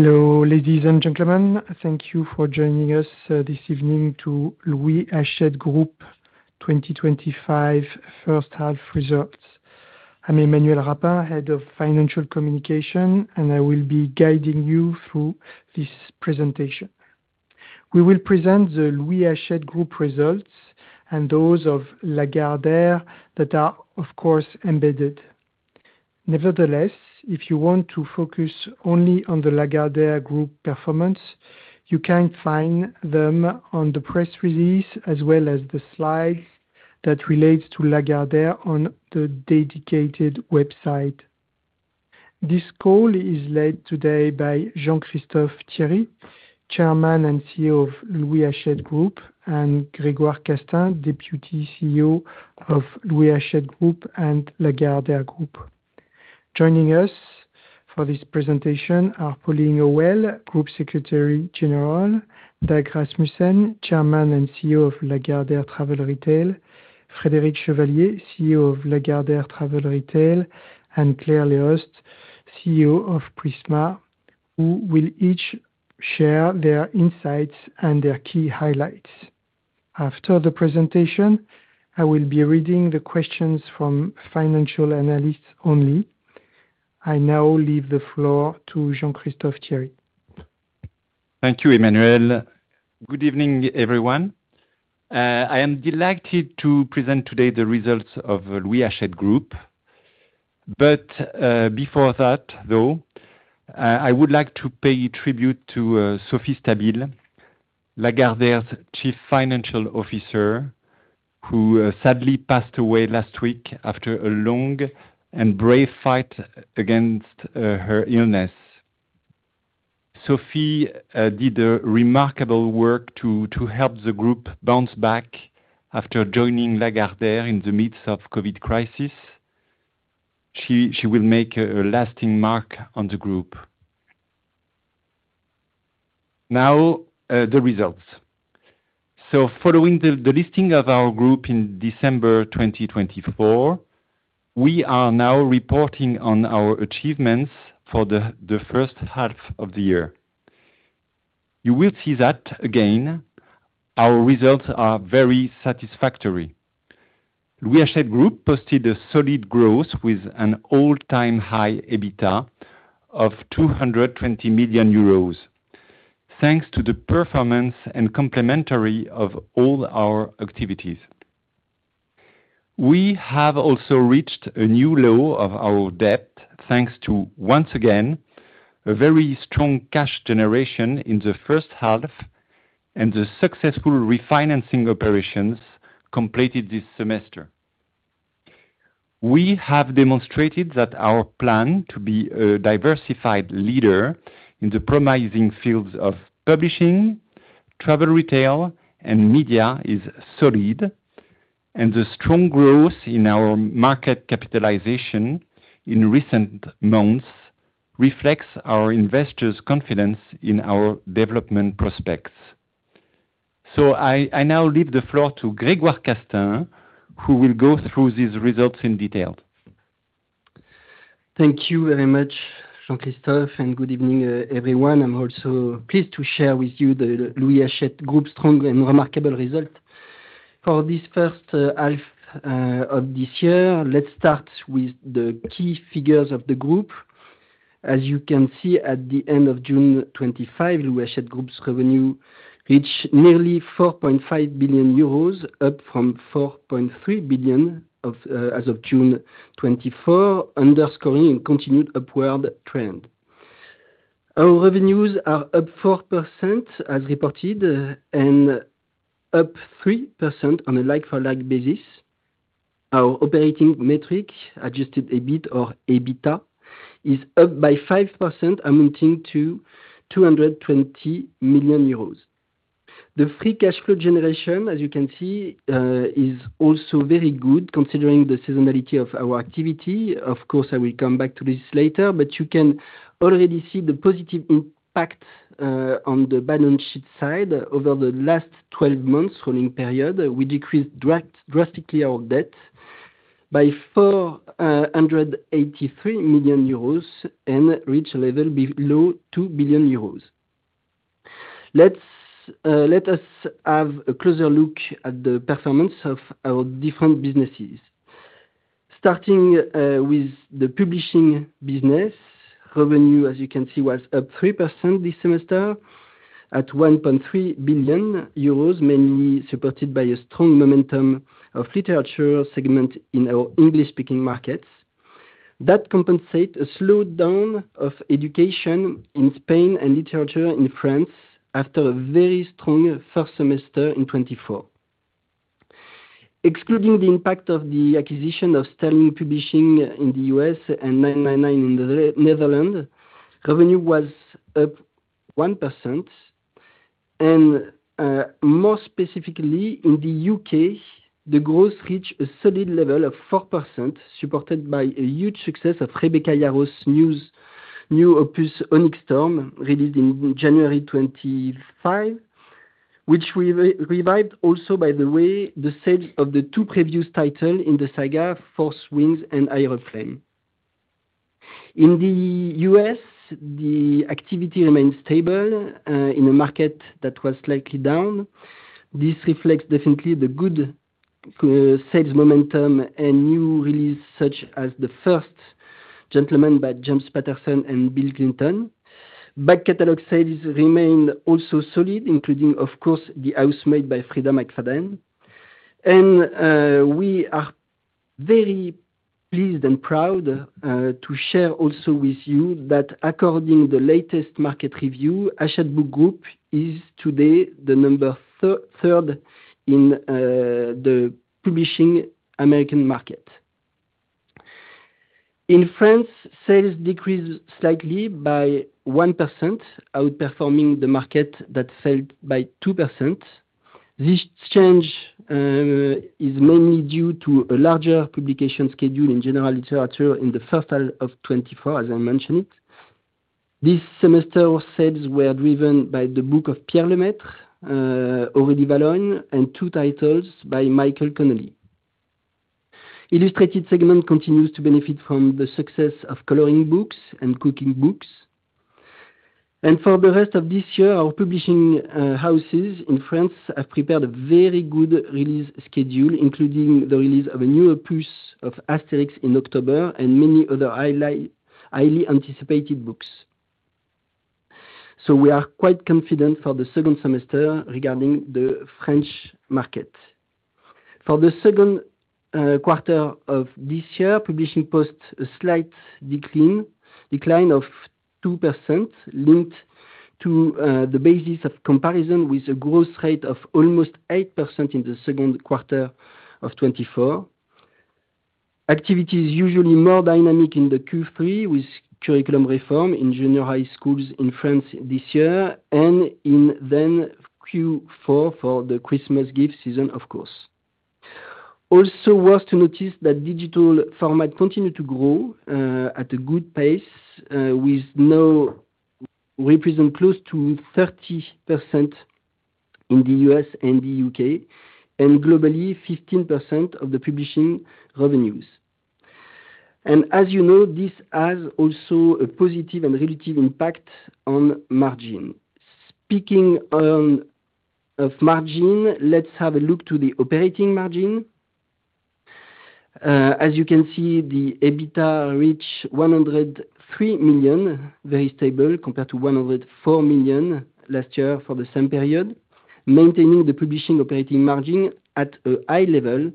Hello, ladies and gentlemen. Thank you for joining us this evening to Louis Achede Group twenty twenty five First Half Results. I'm Emmanuel Rapa, Head of Financial Communication, and I will be guiding you through this presentation. We will present the Louis Achede group results and those of Lagardere that are, of course, embedded. Nevertheless, if you want to focus only on the Lagardere group performance, you can find them on the press release as well as the slides that relates to Lagardere on the dedicated website. This call is led today by Jean Christophe Thierry, Chairman and CEO of Louis Achede Group and Gregor Castan, Deputy CEO of Louis Achede Group and La Gardeer Group. Joining us for this presentation are Pauline O'Hell, Group Secretary General Doug Rasmussen, Chairman and CEO of Lagardere Travel Retail Frederic Chevalier, CEO of Lagardere Travel Retail and Claire Liost, CEO of Prisma, who will each share their insights and their key highlights. After the presentation, I will be reading the questions from financial analysts only. I now leave the floor to Jean Christophe Thierry. Thank you, Emmanuel. Good evening, everyone. I am delighted to present today the results of Rui Ached Group. But before that, though, I would like to pay tribute to Sophie Stabil, Lagardere's chief financial officer who sadly passed away last week after a long and brave fight against her illness. Sophie, did a remarkable work to to help the group bounce back after joining Lagardere in the midst of COVID crisis. She she will make a lasting mark on the group. Now, the results. So following the listing of our group in December 2024, we are now reporting on our achievements for the first half of the year. You will see that, again, our results are very satisfactory. Rui Asheb Group posted a solid growth with an all time high EBITDA of €220,000,000 thanks to the performance and complementary of all our activities. We have also reached a new low of our debt, thanks to once again a very strong cash generation in the first half and the successful refinancing operations completed this semester. We have demonstrated that our plan to be a diversified leader in the promising fields of publishing, travel retail and media is solid and the strong growth in our market capitalization in recent months reflects our investors' confidence in our development prospects. So I now leave the floor to Gregor Castan, who will go through these results in detail. Thank you very much, Jean Christophe, and good evening, everyone. I'm also pleased to share with you the Louis Hachette Group's strong and remarkable result. For this first half, of this year, let's start with the key figures of the group. As you can see at the June, the WESHET Group's revenue reached nearly 4,500,000,000.0 euros, up from 4,300,000,000.0 as of June 24, underscoring continued upward trend. Our revenues are up 4% as reported and up 3% on a like for like basis. Our operating metric, adjusted EBIT or EBITA, is up by 5% amounting to EUR $220,000,000. The free cash flow generation, as you can see, is also very good considering the seasonality of our activity. Of course, I will come back to this later. But you can already see the positive impact on the balance sheet side over the last twelve months rolling period, we decreased drastically our debt by EUR $483,000,000 and reached a level below 2,000,000,000 euros. Let us have a closer look at the performance of our different businesses. Starting with the Publishing business, revenue, as you can see, was up 3% this semester at €1,300,000,000 mainly supported by a strong momentum of literature segment in our English speaking markets. That compensate a slowdown of education in Spain and literature in France after a very strong first semester in 2024. Excluding the impact of the acquisition of Stellen Publishing in The U. S. And nine ninety nine in The Netherlands, revenue was up 1%. And more specifically, in The UK, the growth reached a solid level of 4%, supported by a huge success of Rebecca Laro's new Opus Onyxterm, released in January 25, which we revived also by the way the sales of the two previous title in the saga, Force Wings and Aeroplane. In The U. S, the activity remains stable in a market that was slightly down. This reflects definitely the good sales momentum and new release such as the first Gentleman by James Patterson and Bill Clinton. Back catalog sales remained also solid, including of course, the house made by Frieda McFadden. And, we are very pleased and proud, to share also with you that according the latest market review, Asher Book Group is today the number third in the publishing American market. In France, sales decreased slightly by 1%, outperforming the market that fell by 2%. This change is mainly due to a larger publication schedule in general literature in the first half of twenty four, as I mentioned. This semester sales were driven by the book of Pierre LeMaitre, Aure des Valonne and two titles by Michael Connelly. Illustrated segment continues to benefit from the success of coloring books and cooking books. And for the rest of this year, our publishing houses in France have prepared a very good release schedule, including the release of a new opus of Asterix in October and many other highly anticipated books. So we are quite confident for the second semester regarding the French market. For the second quarter of this year, publishing post a slight decline of 2% linked to the basis of comparison with a growth rate of almost 8% in the second quarter of twenty twenty four. Activity is usually more dynamic in the Q3 with curriculum reform in junior high schools in France this year and in then Q4 for the Christmas gift season, of course. Also worth to notice that digital format continued to grow at a good pace with now represent close to 30% in The U. S. And The UK, and globally, 15% of the publishing revenues. And as you know, this has also a positive and a negative impact on margin. Speaking on of margin, let's have a look to the operating margin. As you can see, the EBITA reached 103,000,000, very stable compared to 104,000,000 last year for the same period, maintaining the publishing operating margin at a high level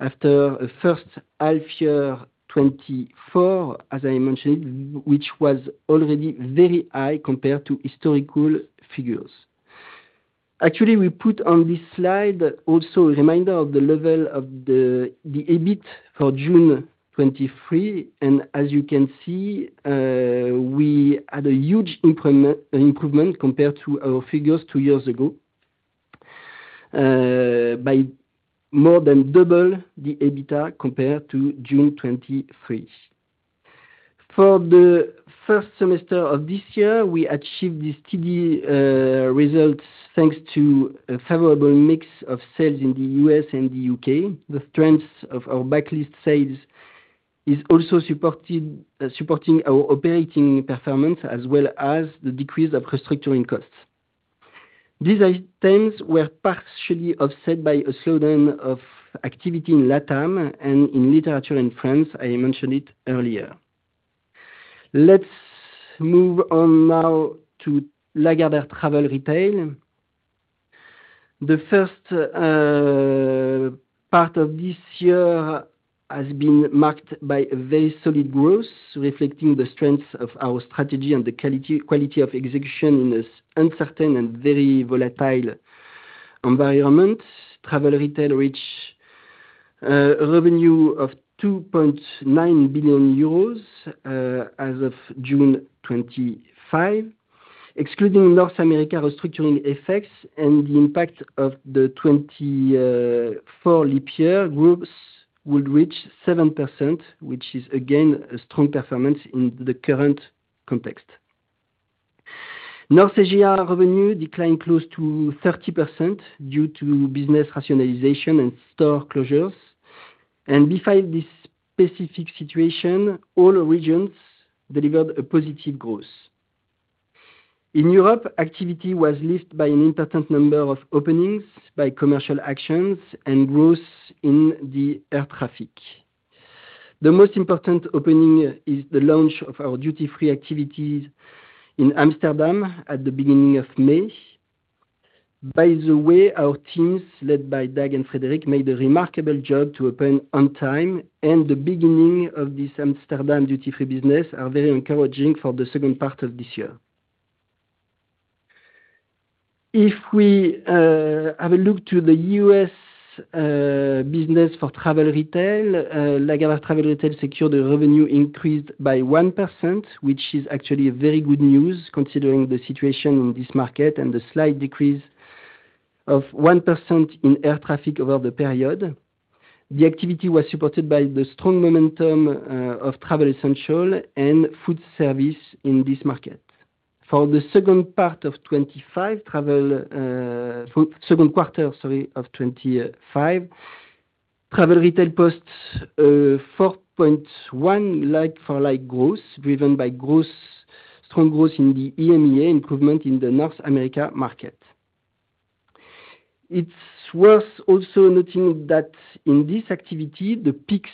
after the first half year twenty twenty four, as I mentioned, which was already very high compared to historical figures. Actually, put on this slide also a reminder of the level of the EBIT for June 23. And as you can see, we had a huge improvement compared to our figures two years ago by more than double the EBITDA compared to June 23. For the first semester of this year, we achieved this steady results, thanks to a favorable mix of sales in The U. S. And The UK, the strength of our backlist sales is also supporting our operating performance as well as the decrease of restructuring costs. These items were partially offset by a slowdown of activity in LatAm and in literature in France, I mentioned it earlier. Let's move on now to Lagardere Travel Retail. The first part of this year has been marked by a very solid growth, reflecting the strength of our strategy and the quality of execution in this uncertain and very volatile environment. Travel Retail reached a revenue of 2,900,000,000.0 euros as of June 25. Excluding North America restructuring effects and the impact of the twenty four leap year, groups would reach 7%, which is again a strong performance in the current context. North Asia revenue declined close to 30% due to business rationalization and store closures. And despite this specific situation, all regions delivered a positive growth. In Europe, activity was leased by an important number of openings by commercial actions and growth in the air traffic. The most important opening is the launch of our duty free activities in Amsterdam at the May. By the way, our teams led by Dag and Frederic made a remarkable job to open on time and the beginning of this Amsterdam duty free business are very encouraging for the second part of this year. If we have a look to The U. S. Business for travel retail, Lagardere travel retail secured revenue increased by 1%, which is actually a very good news considering the situation in this market and the slight decrease of 1% in air traffic over the period. The activity was supported by the strong momentum of Travel Essential and Foodservice in this market. For the second part of twenty twenty five travel second quarter, sorry, of 2025, Travel Retail posted 4.1% like for like growth driven by growth strong growth in the EMEA improvement in the North America market. It's worth also noting that in this activity, the peaks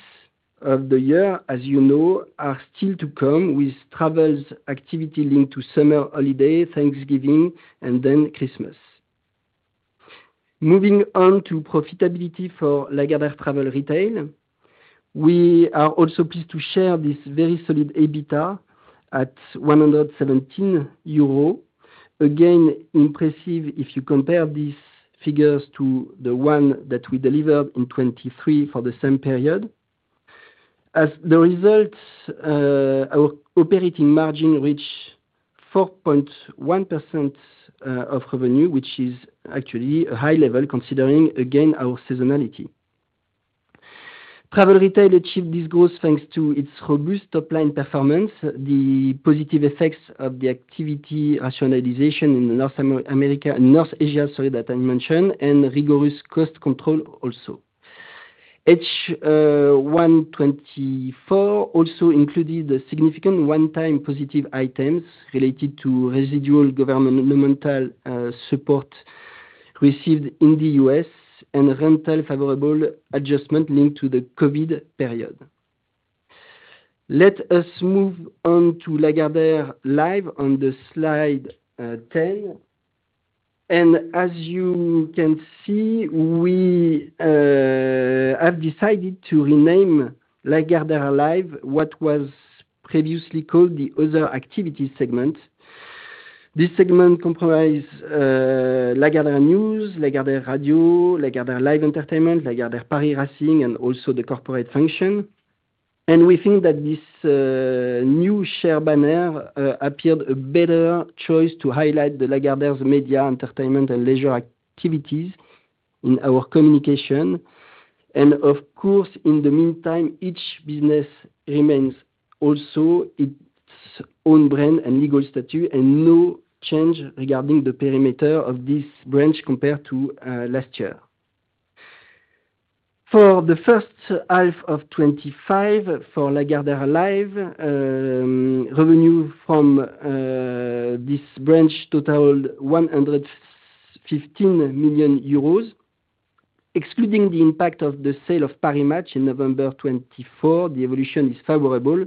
of the year, as you know, are still to come with travels activity linked to summer holiday, Thanksgiving and then Christmas. Moving on to profitability for Lagardere Travel Retail. We are also pleased to share this very solid EBITA at 117 euros, again, impressive if you compare these figures to the one that we delivered in 2023 for the same period. As the results, our operating margin reached 4.1% of revenue, which is actually a high level considering, again, our seasonality. Travel Retail achieved this growth, thanks to its robust top line performance, the positive effects of the activity rationalization in North America North Asia, sorry, that I mentioned and rigorous cost control also. H124 also included significant onetime positive items related to residual governmental support received in The U. S. And rental favorable adjustment linked to the COVID period. Let us move on to Lagardere live on the Slide 10. And as you can see, we have decided to rename Ligandera Live what was previously called the other activity segment. This segment comprise Lagardere News, Lagardere Radio, Lagardere Live Entertainment, Lagardere Paris Racing and also the corporate function. And we think that this new share banner appeared a better choice to highlight the Lagardere's media entertainment and leisure activities in our communication. And of course, in the meantime, each business remains also its own brand and legal statute and no change regarding the perimeter of this branch compared to last year. For the first half of twenty twenty five for Lagardere alive, revenue from this branch totaled 115,000,000 euros. Excluding the impact of the sale of Parry Match in November 24, the evolution is favorable,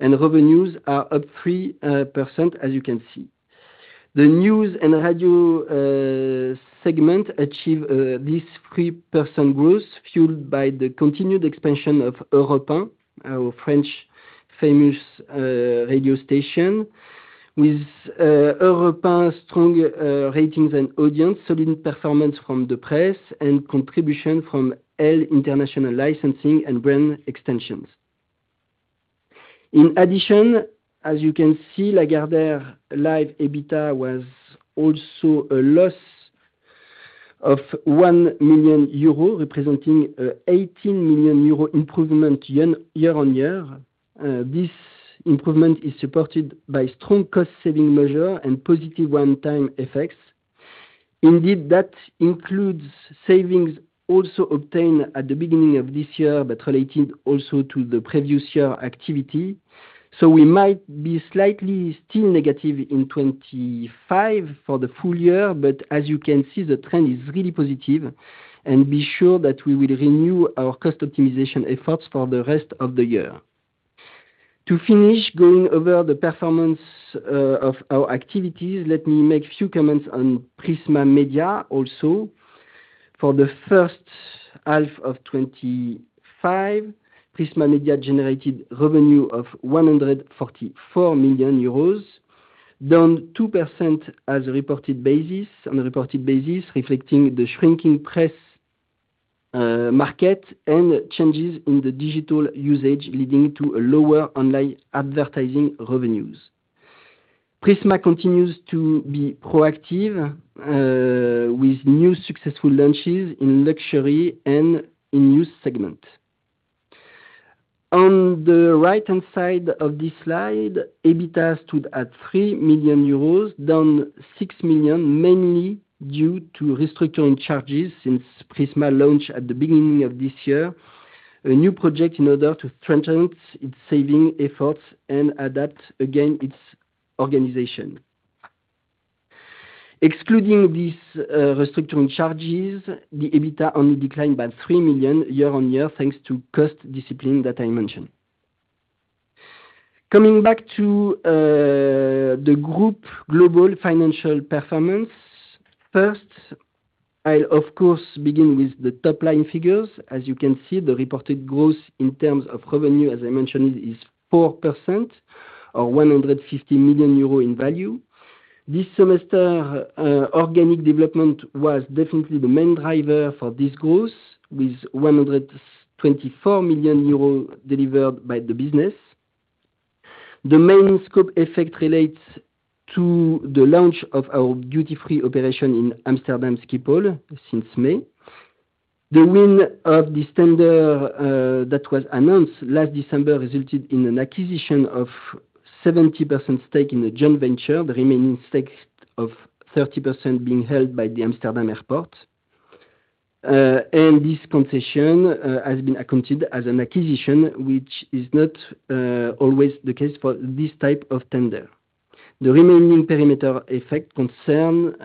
and revenues are up 3%, as you can see. The News and Radio segment achieved this 3% growth fueled by the continued expansion of Europan, our French famous radio station, with Europa's strong ratings and audience, solid performance from the press and contribution from L International licensing and brand extensions. In addition, as you can see, Lagardere Life EBITDA was also a loss of 1,000,000 euro, representing 18,000,000 euro improvement year on year. This improvement is supported by strong cost saving measure and positive onetime effects. Indeed, that includes savings also obtained at the beginning of this year, but related also to the previous year activity. So we might be slightly still negative in 2025 for the full year. But as you can see, the trend is really positive and be sure that we will renew our cost optimization efforts for the rest of the year. To finish going over the performance of our activities, let me make a few comments on Prisma Media also. For the first half of twenty twenty five, Prisma Media generated revenue of 144,000,000 euros, down 2% on a reported basis, reflecting the shrinking press market and changes in the digital usage leading to a lower online advertising revenues. Prisma continues to be proactive with new successful launches in Luxury and News segment. On the right hand side of this slide, EBITDA stood at 3,000,000 euros, down 6,000,000, mainly due to restructuring charges since Prisma launched at the beginning of this year, a new project in order to strengthen its saving efforts and adapt again its organization. Excluding these restructuring charges, the EBITDA only declined by 3,000,000 year on year, thanks to cost discipline that I mentioned. Coming back to the group global financial performance. First, I'll, of course, begin with the top line figures. As you can see, the reported growth in terms of revenue, as I mentioned, is 4% or 150,000,000 euro in value. This semester, organic development was definitely the main driver for this growth with 124,000,000 euros delivered by the business. The main scope effect relates to the launch of our duty free operation in Amsterdam Schiphol since May. The win of the tender that was announced last December resulted in an acquisition of 70% stake in the joint venture, the remaining stake of 30% being held by the Amsterdam Airport. And this concession, has been accounted as an acquisition, which is not always the case for this type of tender. The remaining perimeter effect concern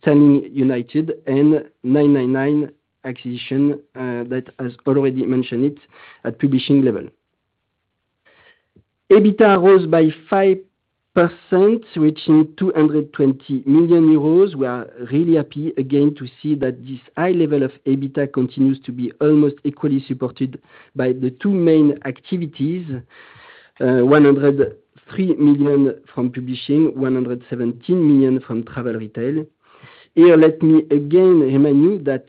Stanley United and nine ninety nine acquisition that has already mentioned it at publishing level. EBITA rose by five percent, reaching EUR $220,000,000. We are really happy again to see that this high level of EBITA continues to be almost equally supported by the two main activities, 103,000,000 from Publishing, 117,000,000 from Travel Retail. Here, let me again remind you that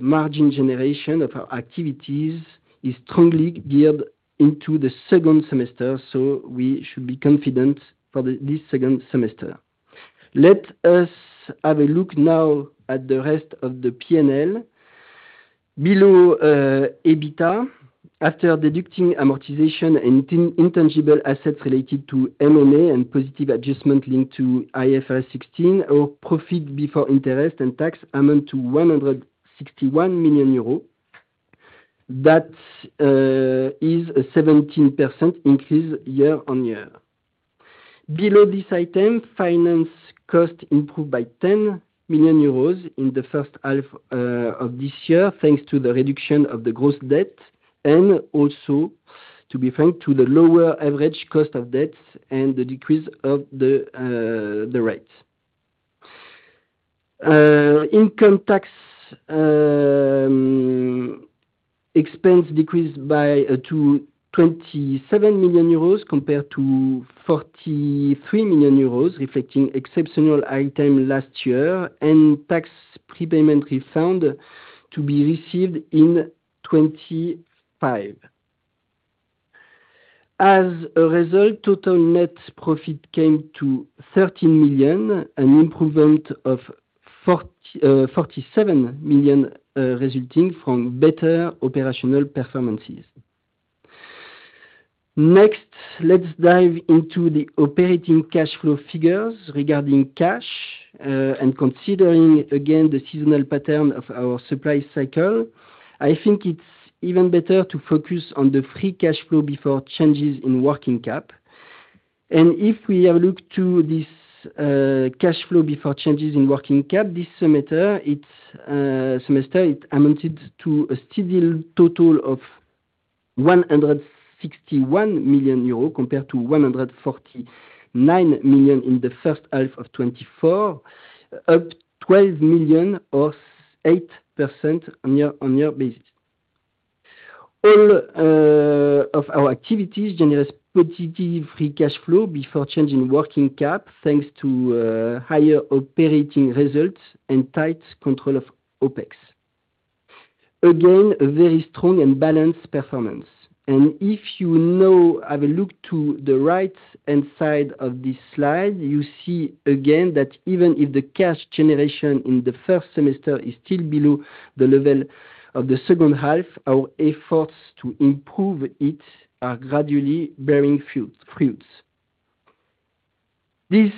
margin generation of our activities is strongly geared into the second semester, so we should be confident for this second semester. Let us have a look now at the rest of the P and L. Below EBITA, after deducting amortization and intangible assets related to M and A and positive adjustment linked to IFRS 16, our profit before interest and tax amount to 161,000,000 euros. That is a 17% increase year on year. Below this item, finance cost improved by 10,000,000 euros in the first half of this year, thanks to the reduction of the gross debt and also, to be frank, to the lower average cost of debt and the decrease of the rates. Income tax expense decreased by to 27,000,000 euros compared to 43,000,000 euros, reflecting exceptional item last year and tax prepayment refund to be received in 2025. As a result, total net profit came to 13,000,000, an improvement of 47,000,000, resulting from better operational performances. Next, let's dive into the operating cash flow figures regarding cash and considering again the seasonal pattern of our supply cycle, I think it's even better to focus on the free cash flow before changes in working cap. And if we have looked to this cash flow before changes in working cap, this semester, it amounted to a steady total of 161,000,000 euros compared to EUR €149,000,000 in the first half of twenty four, up €12,000,000 or 8% on year on year basis. All of our activities generate positive free cash flow before changing working cap, thanks to higher operating results and tight control of OpEx. Again, a very strong and balanced performance. And if you know, have a look to the right hand side of this slide, you see again that even if the cash generation in the first semester is still below the level of the second half, our efforts to improve it are gradually bearing fruits. This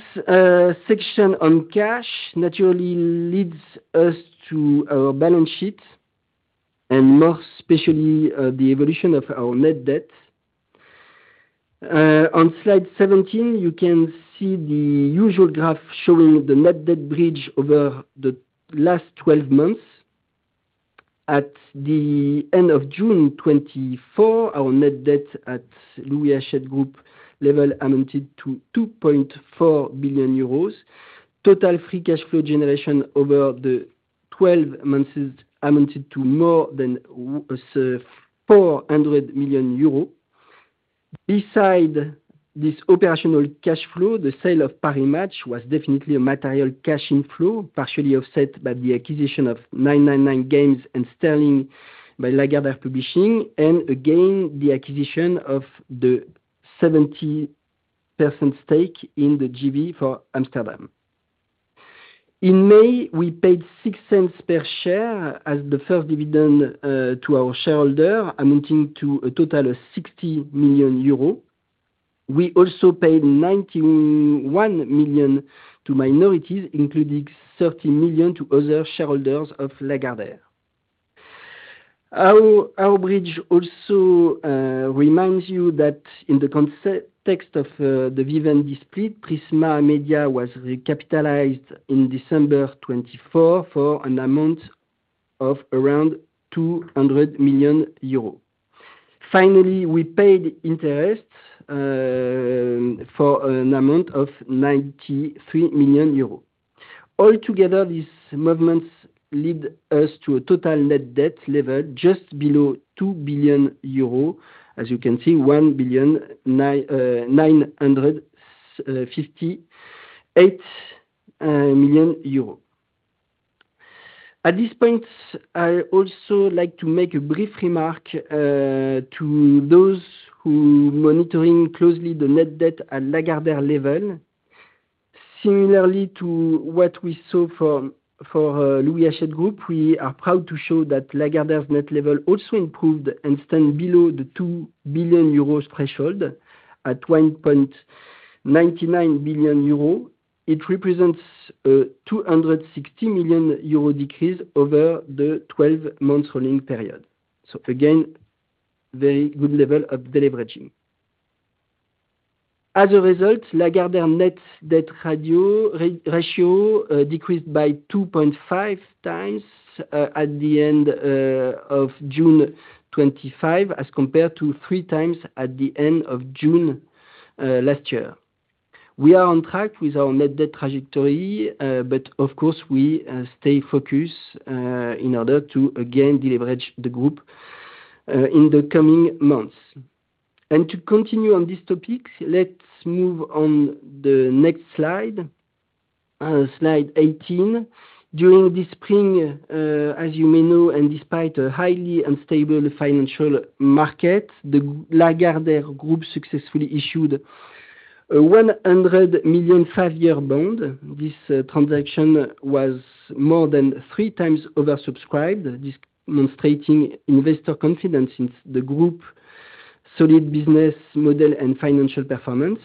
section on cash naturally leads us to our balance sheet and more especially the evolution of our net debt. On Slide 17, you can see the usual graph showing the net debt bridge over the last twelve months. At the June, our net debt at Louis Hachette Group level amounted to 2,400,000,000.0 euros. Total free cash flow generation over the twelve months amounted to more than 400,000,000 euros. Beside this operational cash flow, the sale of Paris Match was definitely a material cash inflow, partially offset by the acquisition of nine ninety nine Games and Sterling by Lagardere Publishing and again, the acquisition of the 70% stake in the JV for Amsterdam. In May, we paid EUR $0.06 per share as the first dividend to our shareholder, amounting to a total of 60,000,000 euros. We also paid 91,000,000 to minorities, including 30,000,000 to other shareholders of Lagardere. Bridge also reminds you that in the context of the Vivendi split, Prisma Media was recapitalized in December 24 for an amount of around 200,000,000 euro. Finally, we paid interest for an amount of 93,000,000 euro. Altogether, these movements lead us to a total net debt level just below 2,000,000,000 euro, as you can see, 1.9508 At this point, I also like to make a brief remark to those who monitoring closely the net debt at Lagardere level. Similarly to what we saw for Louis Hachette Group, we are proud to show that Lagardere's net level also improved and stand below the 2,000,000,000 euros threshold at 1,990,000,000.00 euro. It represents a EUR $260,000,000 decrease over the twelve months rolling period. So again, very good level of deleveraging. As a result, Lagardere net debt ratio decreased by 2.5x at the June 2025 as compared to three times at the June. We are on track with our net debt trajectory, but of course, we stay focused in order to again deleverage the group in the coming months. And to continue on this topic, let's move on the next slide, Slide 18. During the spring, as you may know, and despite a highly unstable financial market, the Lagardere Group successfully issued €100,000,000 five year bond. This transaction was more than three times oversubscribed, demonstrating investor confidence in the group's solid business model and financial performance.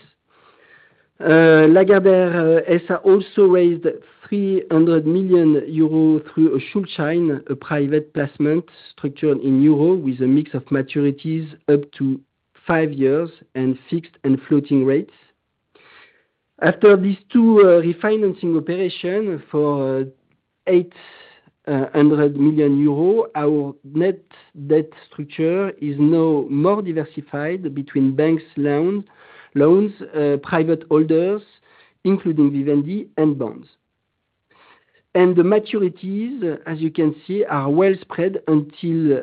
Lagardere ESA also raised 300,000,000 euros through Schulchaine, a private placement structured in euro with a mix of maturities up to five years and fixed and floating rates. After these two refinancing operation for EUR 800,000,000, our net debt structure is now more diversified between banks loans, private holders, including Vivendi and bonds. And the maturities, as you can see, are well spread until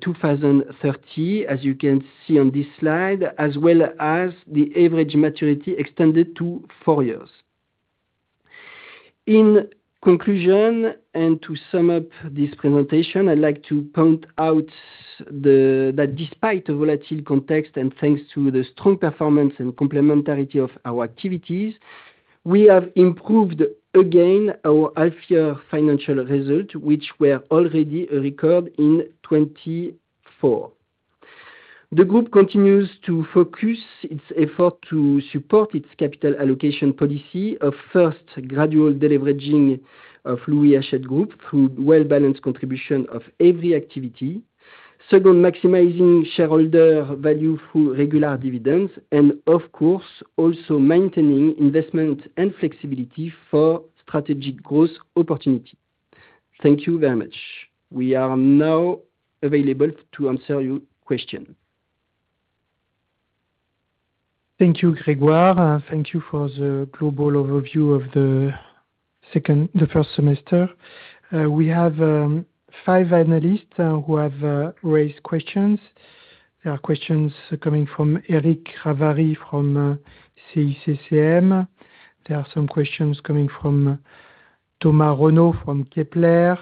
02/1930, as you can see on this slide, as well as the average maturity extended to four years. In conclusion and to sum up this presentation, I'd like to point out that despite a volatile context and thanks to the strong performance and complementarity of our activities, we have improved again our half year financial results, which were already a record in 2024. The group continues to focus its effort to support its capital allocation policy of first gradual deleveraging of Louis Ashed Group through well balanced contribution of every activity. Second, maximizing shareholder value through regular dividends and of course, also maintaining investment and flexibility for strategic growth opportunity. Thank you very much. We are now available to answer your question. Thank you, Gregoire. Thank you for the global overview of the second the first semester. We have five analysts who have raised questions. There are questions coming from Eric Ravari from CCCM. There are some questions coming from Thomas Renaud from Kepler.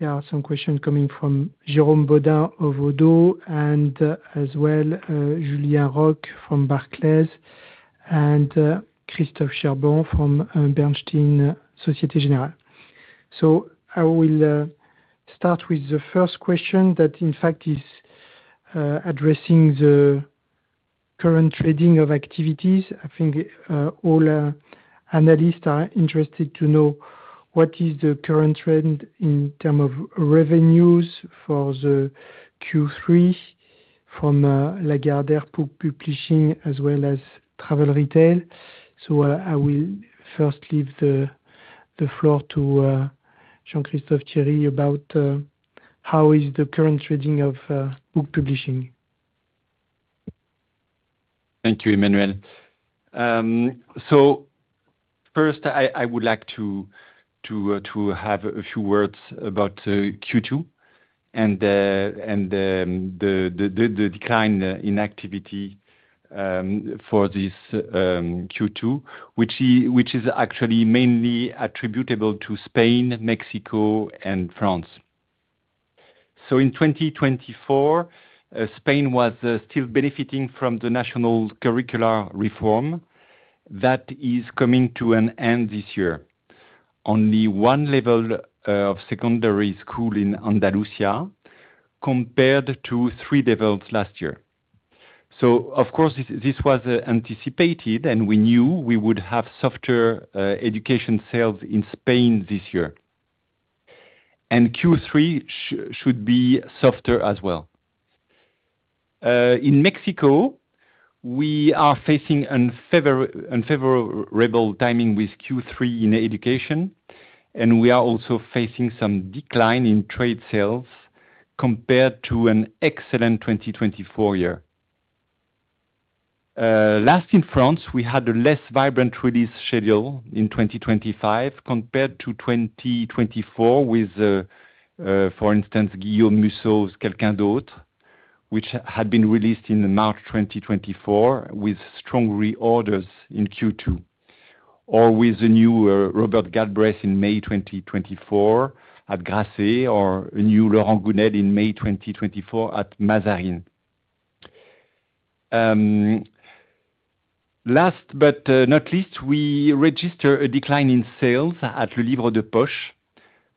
There are some questions coming from Jerome Bodin of ODDO and as well, Julia Roque from Barclays and Christophe Cherbourn from Bernstein Societe Generale. So I will start with the first question that, in fact, is addressing the current trading of activities. I think all analysts are interested to know what is the current trend in terms of revenues for the Q3 from Lagardere Publishing as well as Travel Retail. So I will first leave the floor to Jean Christophe Thierry about how is the current trading of book publishing. Thank you, Emmanuel. So first, I would like to have a few words about Q2 and the decline in activity for this Q2, which is actually mainly attributable to Spain, Mexico and France. So in 2024, Spain was still benefiting from the national curricular reform that is coming to an end this year. Only one level of secondary school in Andalusia compared to three levels last year. So of course, this was anticipated and we knew we would have softer education sales in Spain this year. And Q3 should be softer as well. In Mexico, we are facing unfavorable timing with Q3 in education and we are also facing some decline in trade sales compared to an excellent 2024 year. Last in France, we had a less vibrant release schedule in 2025 compared to 2024 with, for instance, Guillaume Museau's Calcandote, which had been released in March 2024 with strong reorders in Q2 or with the new Robert Galbraith in May 2024 at Grasse or a new Laurent Gonnett in May 2024 at Mazarin. Last but not least, we registered a decline in sales at L'ilvre des Poche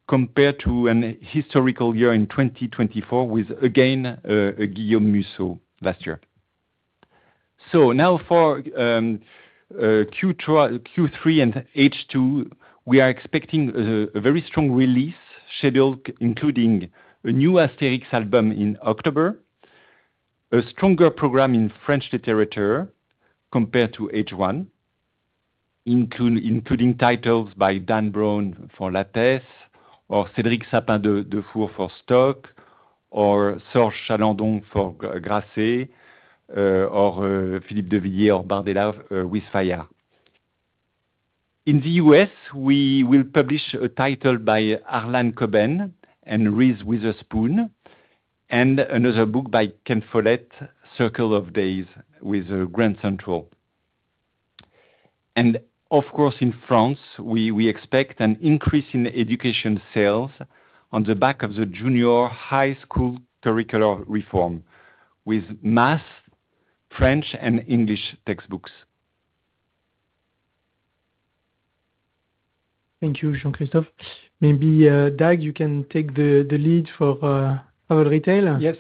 compared to a historical year in 2024 with again a Guillaume Musso last year. So now for Q3 and H2, we are expecting a very strong release scheduled, including a new Asterix album in October, a stronger program in French literature compared to H1, including titles by Dan Brown for Lapace or Cedric Sappin de Defour for stock or Sourche Chalendon for Grasse or Philippe de Vieille or Bandelave with FIA. In The US, we will publish a title by Arlan Cobain and Reese Witherspoon and another book by Ken Follett, Circle of Days with Grand Central. And of course, in France, we we expect an increase in education sales on the back of the junior high school curricular reform with math, French and English textbooks. Thank you, Jean Christophe. Maybe, Doug, you can take the the lead for our retail. Yes.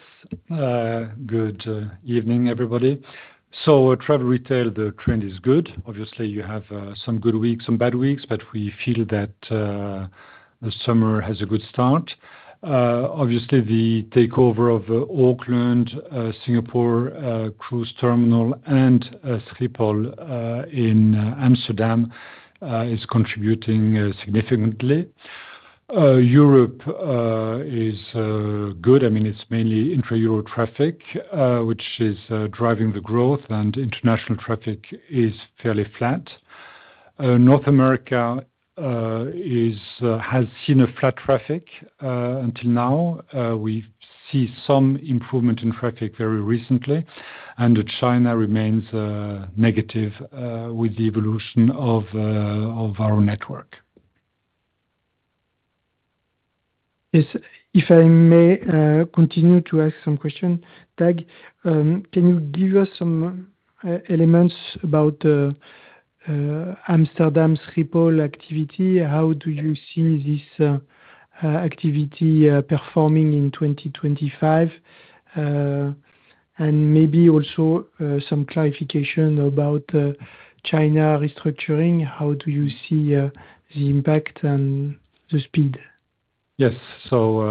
Good evening, everybody. So travel retail, the trend is good. Obviously, you have, some good weeks, some bad weeks, but we feel that the summer has a good start. Obviously, the takeover of Auckland, Singapore, cruise terminal and Schiphol in Amsterdam is contributing significantly. Europe is good. I mean, it's mainly intra Euro traffic, which is driving the growth and international traffic is fairly flat. North America is has seen a flat traffic until now. We see some improvement in traffic very recently, and China remains negative with the evolution of our network. Yes. If I may continue to ask some question, Tag, can you give us some elements about activity. How do you see this activity performing in 2025? And maybe also some clarification about China restructuring, how do you see the impact and the speed? Yes. So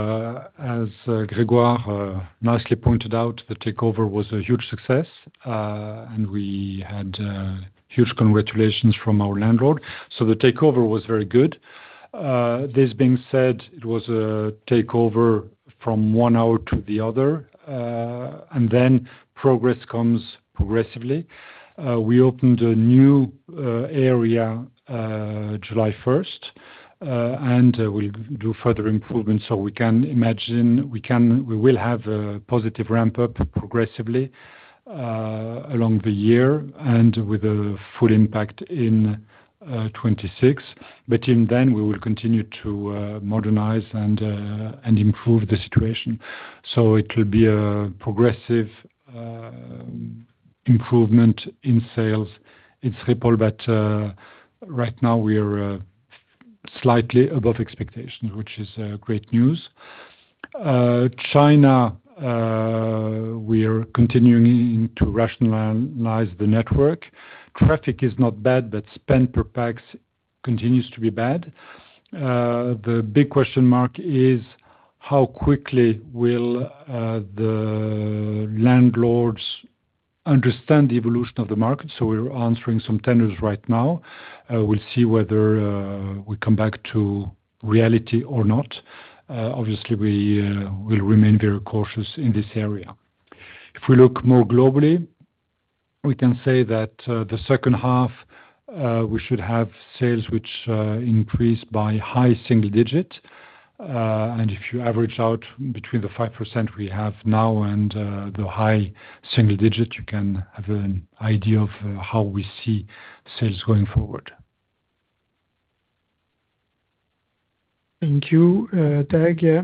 as Gregor nicely pointed out, the takeover was a huge success, and we had huge congratulations from our landlord. So the takeover was very good. This being said, it was a takeover from one hour to the other, and then progress comes progressively. We opened a new area, July 1, and we'll do further improvements. So we can imagine we will have a positive ramp up progressively along the year and with a full impact in 2026. But in then, we will continue to modernize and improve the situation. So it will be a progressive improvement in sales in triple, but right now, we are slightly above expectations, which is great news. China, we are continuing to rationalize the network. Traffic is not bad, but spend per pax continues to be bad. The big question mark is how quickly will the landlords understand the evolution of the market. So we're answering some tenders right now. We'll see whether, we come back to reality or not. Obviously, we will remain very cautious in this area. If we look more globally, we can say that the second half, we should have sales which increased by high single digit. And if you average out between the 5% we have now and the high single digit, you can have an idea of how we see sales going forward. Thank you, Tag. Yeah.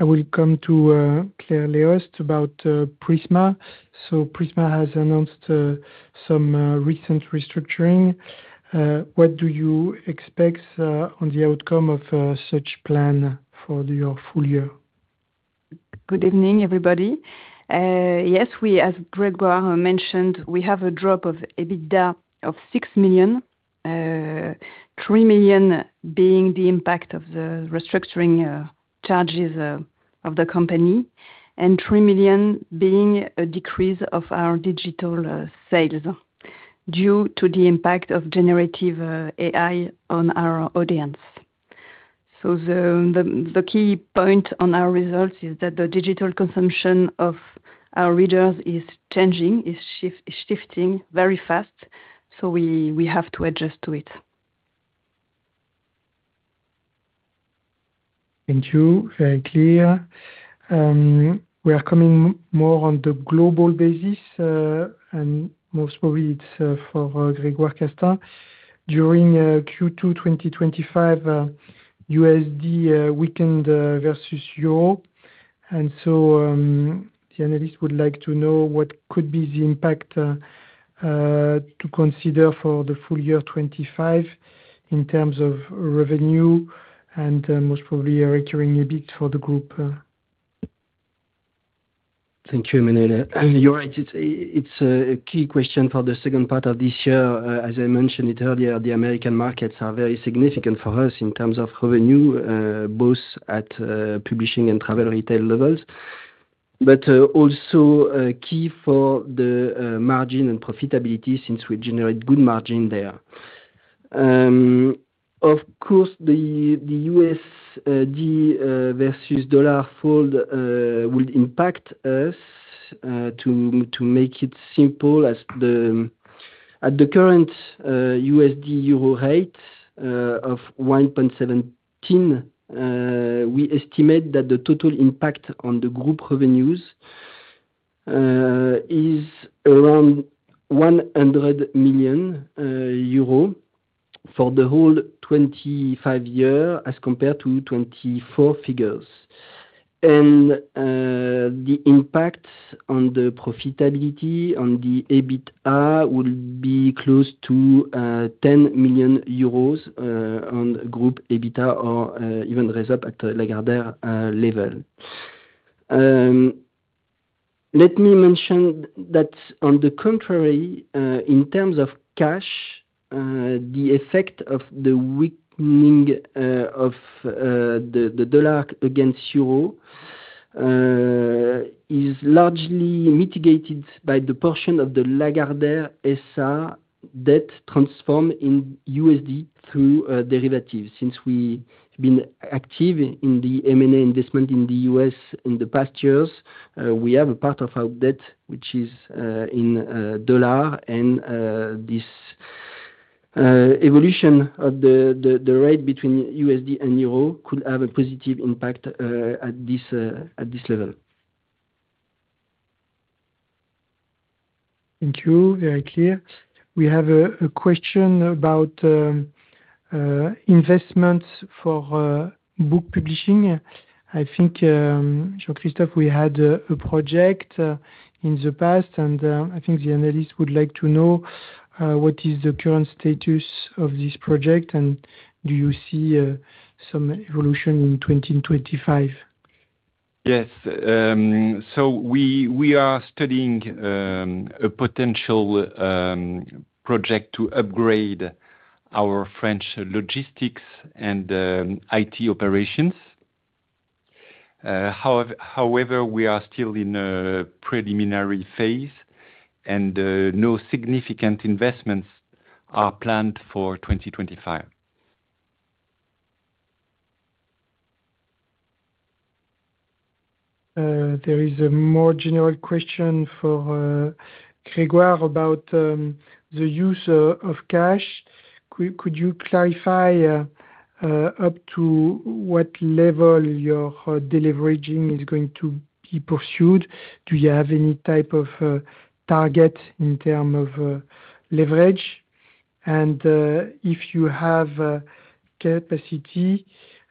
I will come to, clear Leos about Prisma. So Prisma has announced some, recent restructuring. What do you expect on the outcome of such plan for your full year? Good evening, everybody. Yes, we as Gregor mentioned, we have a drop of EBITDA of 6,000,000, 3,000,000 being the impact of the restructuring charges of the company and 3,000,000 being a decrease of our digital sales due to the impact of generative AI on our audience. So the key point on our results is that the digital consumption of our readers is changing, is shifting very fast, So we have to adjust to it. Thank you. Very clear. We are coming more on the global basis, and most probably, it's for Gregor Casta. During Q2 twenty twenty five, USD weakened versus Europe. And so the analyst would like to know what could be the impact to consider for the full year 2025 in terms of revenue and most probably recurring EBIT for the group. Thank you, Emmanuel. You're right. It's a key question for the second part of this year. As I mentioned it earlier, the American markets are very significant for us in terms of revenue, both at Publishing and Travel Retail levels. But also a key for the margin and profitability since we generate good margin there. Of course, the USD versus dollar fold would impact us to make it simple as the at the current USD Euro rate of 1.17, we estimate that the total impact on the group revenues is around 100,000,000 euro for the whole twenty five year as compared to 24 figures. And the impact on the profitability on the EBITDA will be close to 10,000,000 euros on group EBITDA or even result at Lagardere level. Let me mention that on the contrary, in terms of cash, the effect of the weakening of the dollar against euro is largely mitigated by the portion of the Lagardere ESA debt transformed in USD through derivatives. Since we've been active in the M and A investment in The U. S. In the past years. We have a part of our debt, which is dollar. And this evolution of the rate between USD and euro could have a positive impact at this level. Thank you, very clear. We have a question about investments for Book Publishing. I think, Jean Christophe, we had a project in the past, and I think the analyst would like to know what is the current status of this project. And do you see some evolution in 2025? Yes. So we we are studying a potential project to upgrade our French logistics and IT operations. However, we are still in a preliminary phase, and no significant investments are planned for 2025. There is a more general question for Gregoire about the use of cash. Could you clarify up to what level your deleveraging is going to be pursued? Do you have any type of target in term of leverage? And if you have a capacity,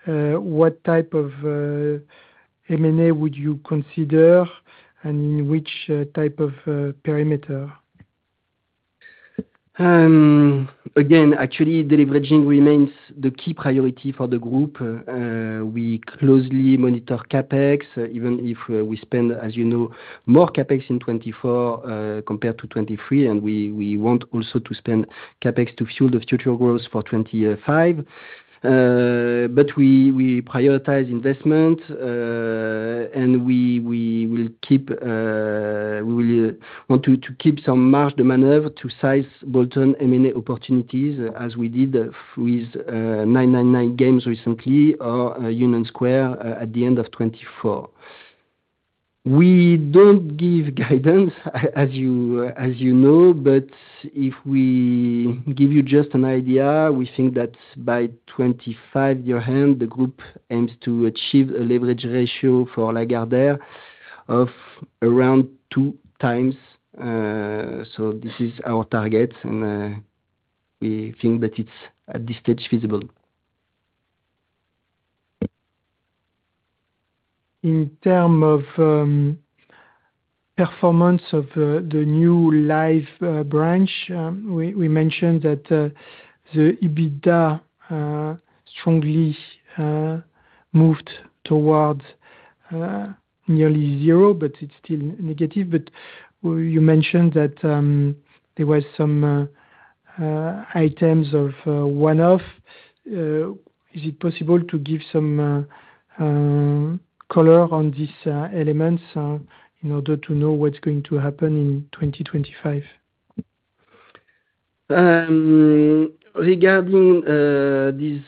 what type of M and A would you consider and which type of perimeter? Again, actually, deleveraging remains the key priority for the group. We closely monitor CapEx even if we spend, as you know, more CapEx in 2024 compared to 2023, and we want also to spend CapEx to fuel the future growth for 2025. But we prioritize investment, and we will keep we will want to keep some margin to size bolt on M and A opportunities as we did with September recently or Union Square at the end of twenty twenty four. We don't give guidance as you know, but if we give you just an idea, we think that by twenty five year end, the group aims to achieve a leverage ratio for Lagardere of around 2x. So this is our target, and we think that it's, at this stage, feasible. In term of performance of the new Life branch, we mentioned that the EBITDA strongly moved towards nearly zero, but it's still negative. But you mentioned that there were some items of one off. Is it possible to give some color on these elements in order to know what's going to happen in 2025? Regarding this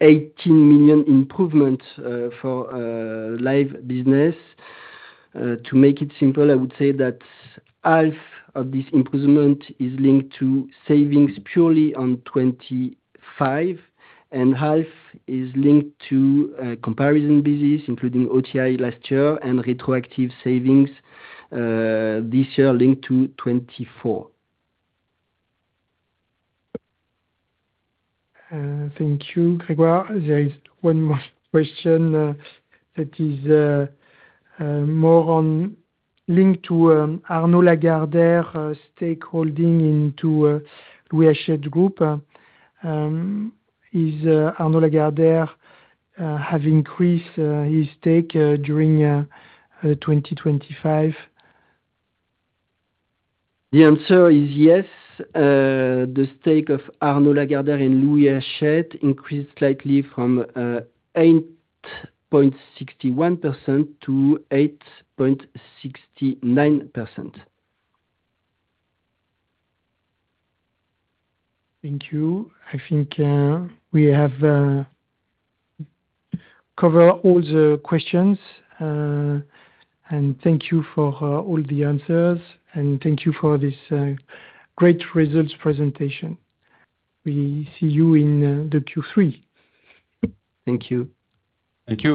€18,000,000 improvement for live business, to make it simple, I would say that half of this improvement is linked to savings purely on '25 and half is linked to comparison basis, including OTI last year and retroactive savings this year linked to '24. Thank you, Gregor. There is one more question that is more on linked to Arnaud Lagardere's stakeholding into Rui Hachette Group. Is Arnaud Lagardere have increased his stake during 2025? The answer is yes. The stake of Arnaud Lagardere and Louis Herchette increased slightly from, 8.61% to 8.69%. Thank you. I think we have covered all the questions. And thank you for all the answers, and thank you for this great results presentation. We see you in the q three. Thank you. Thank you.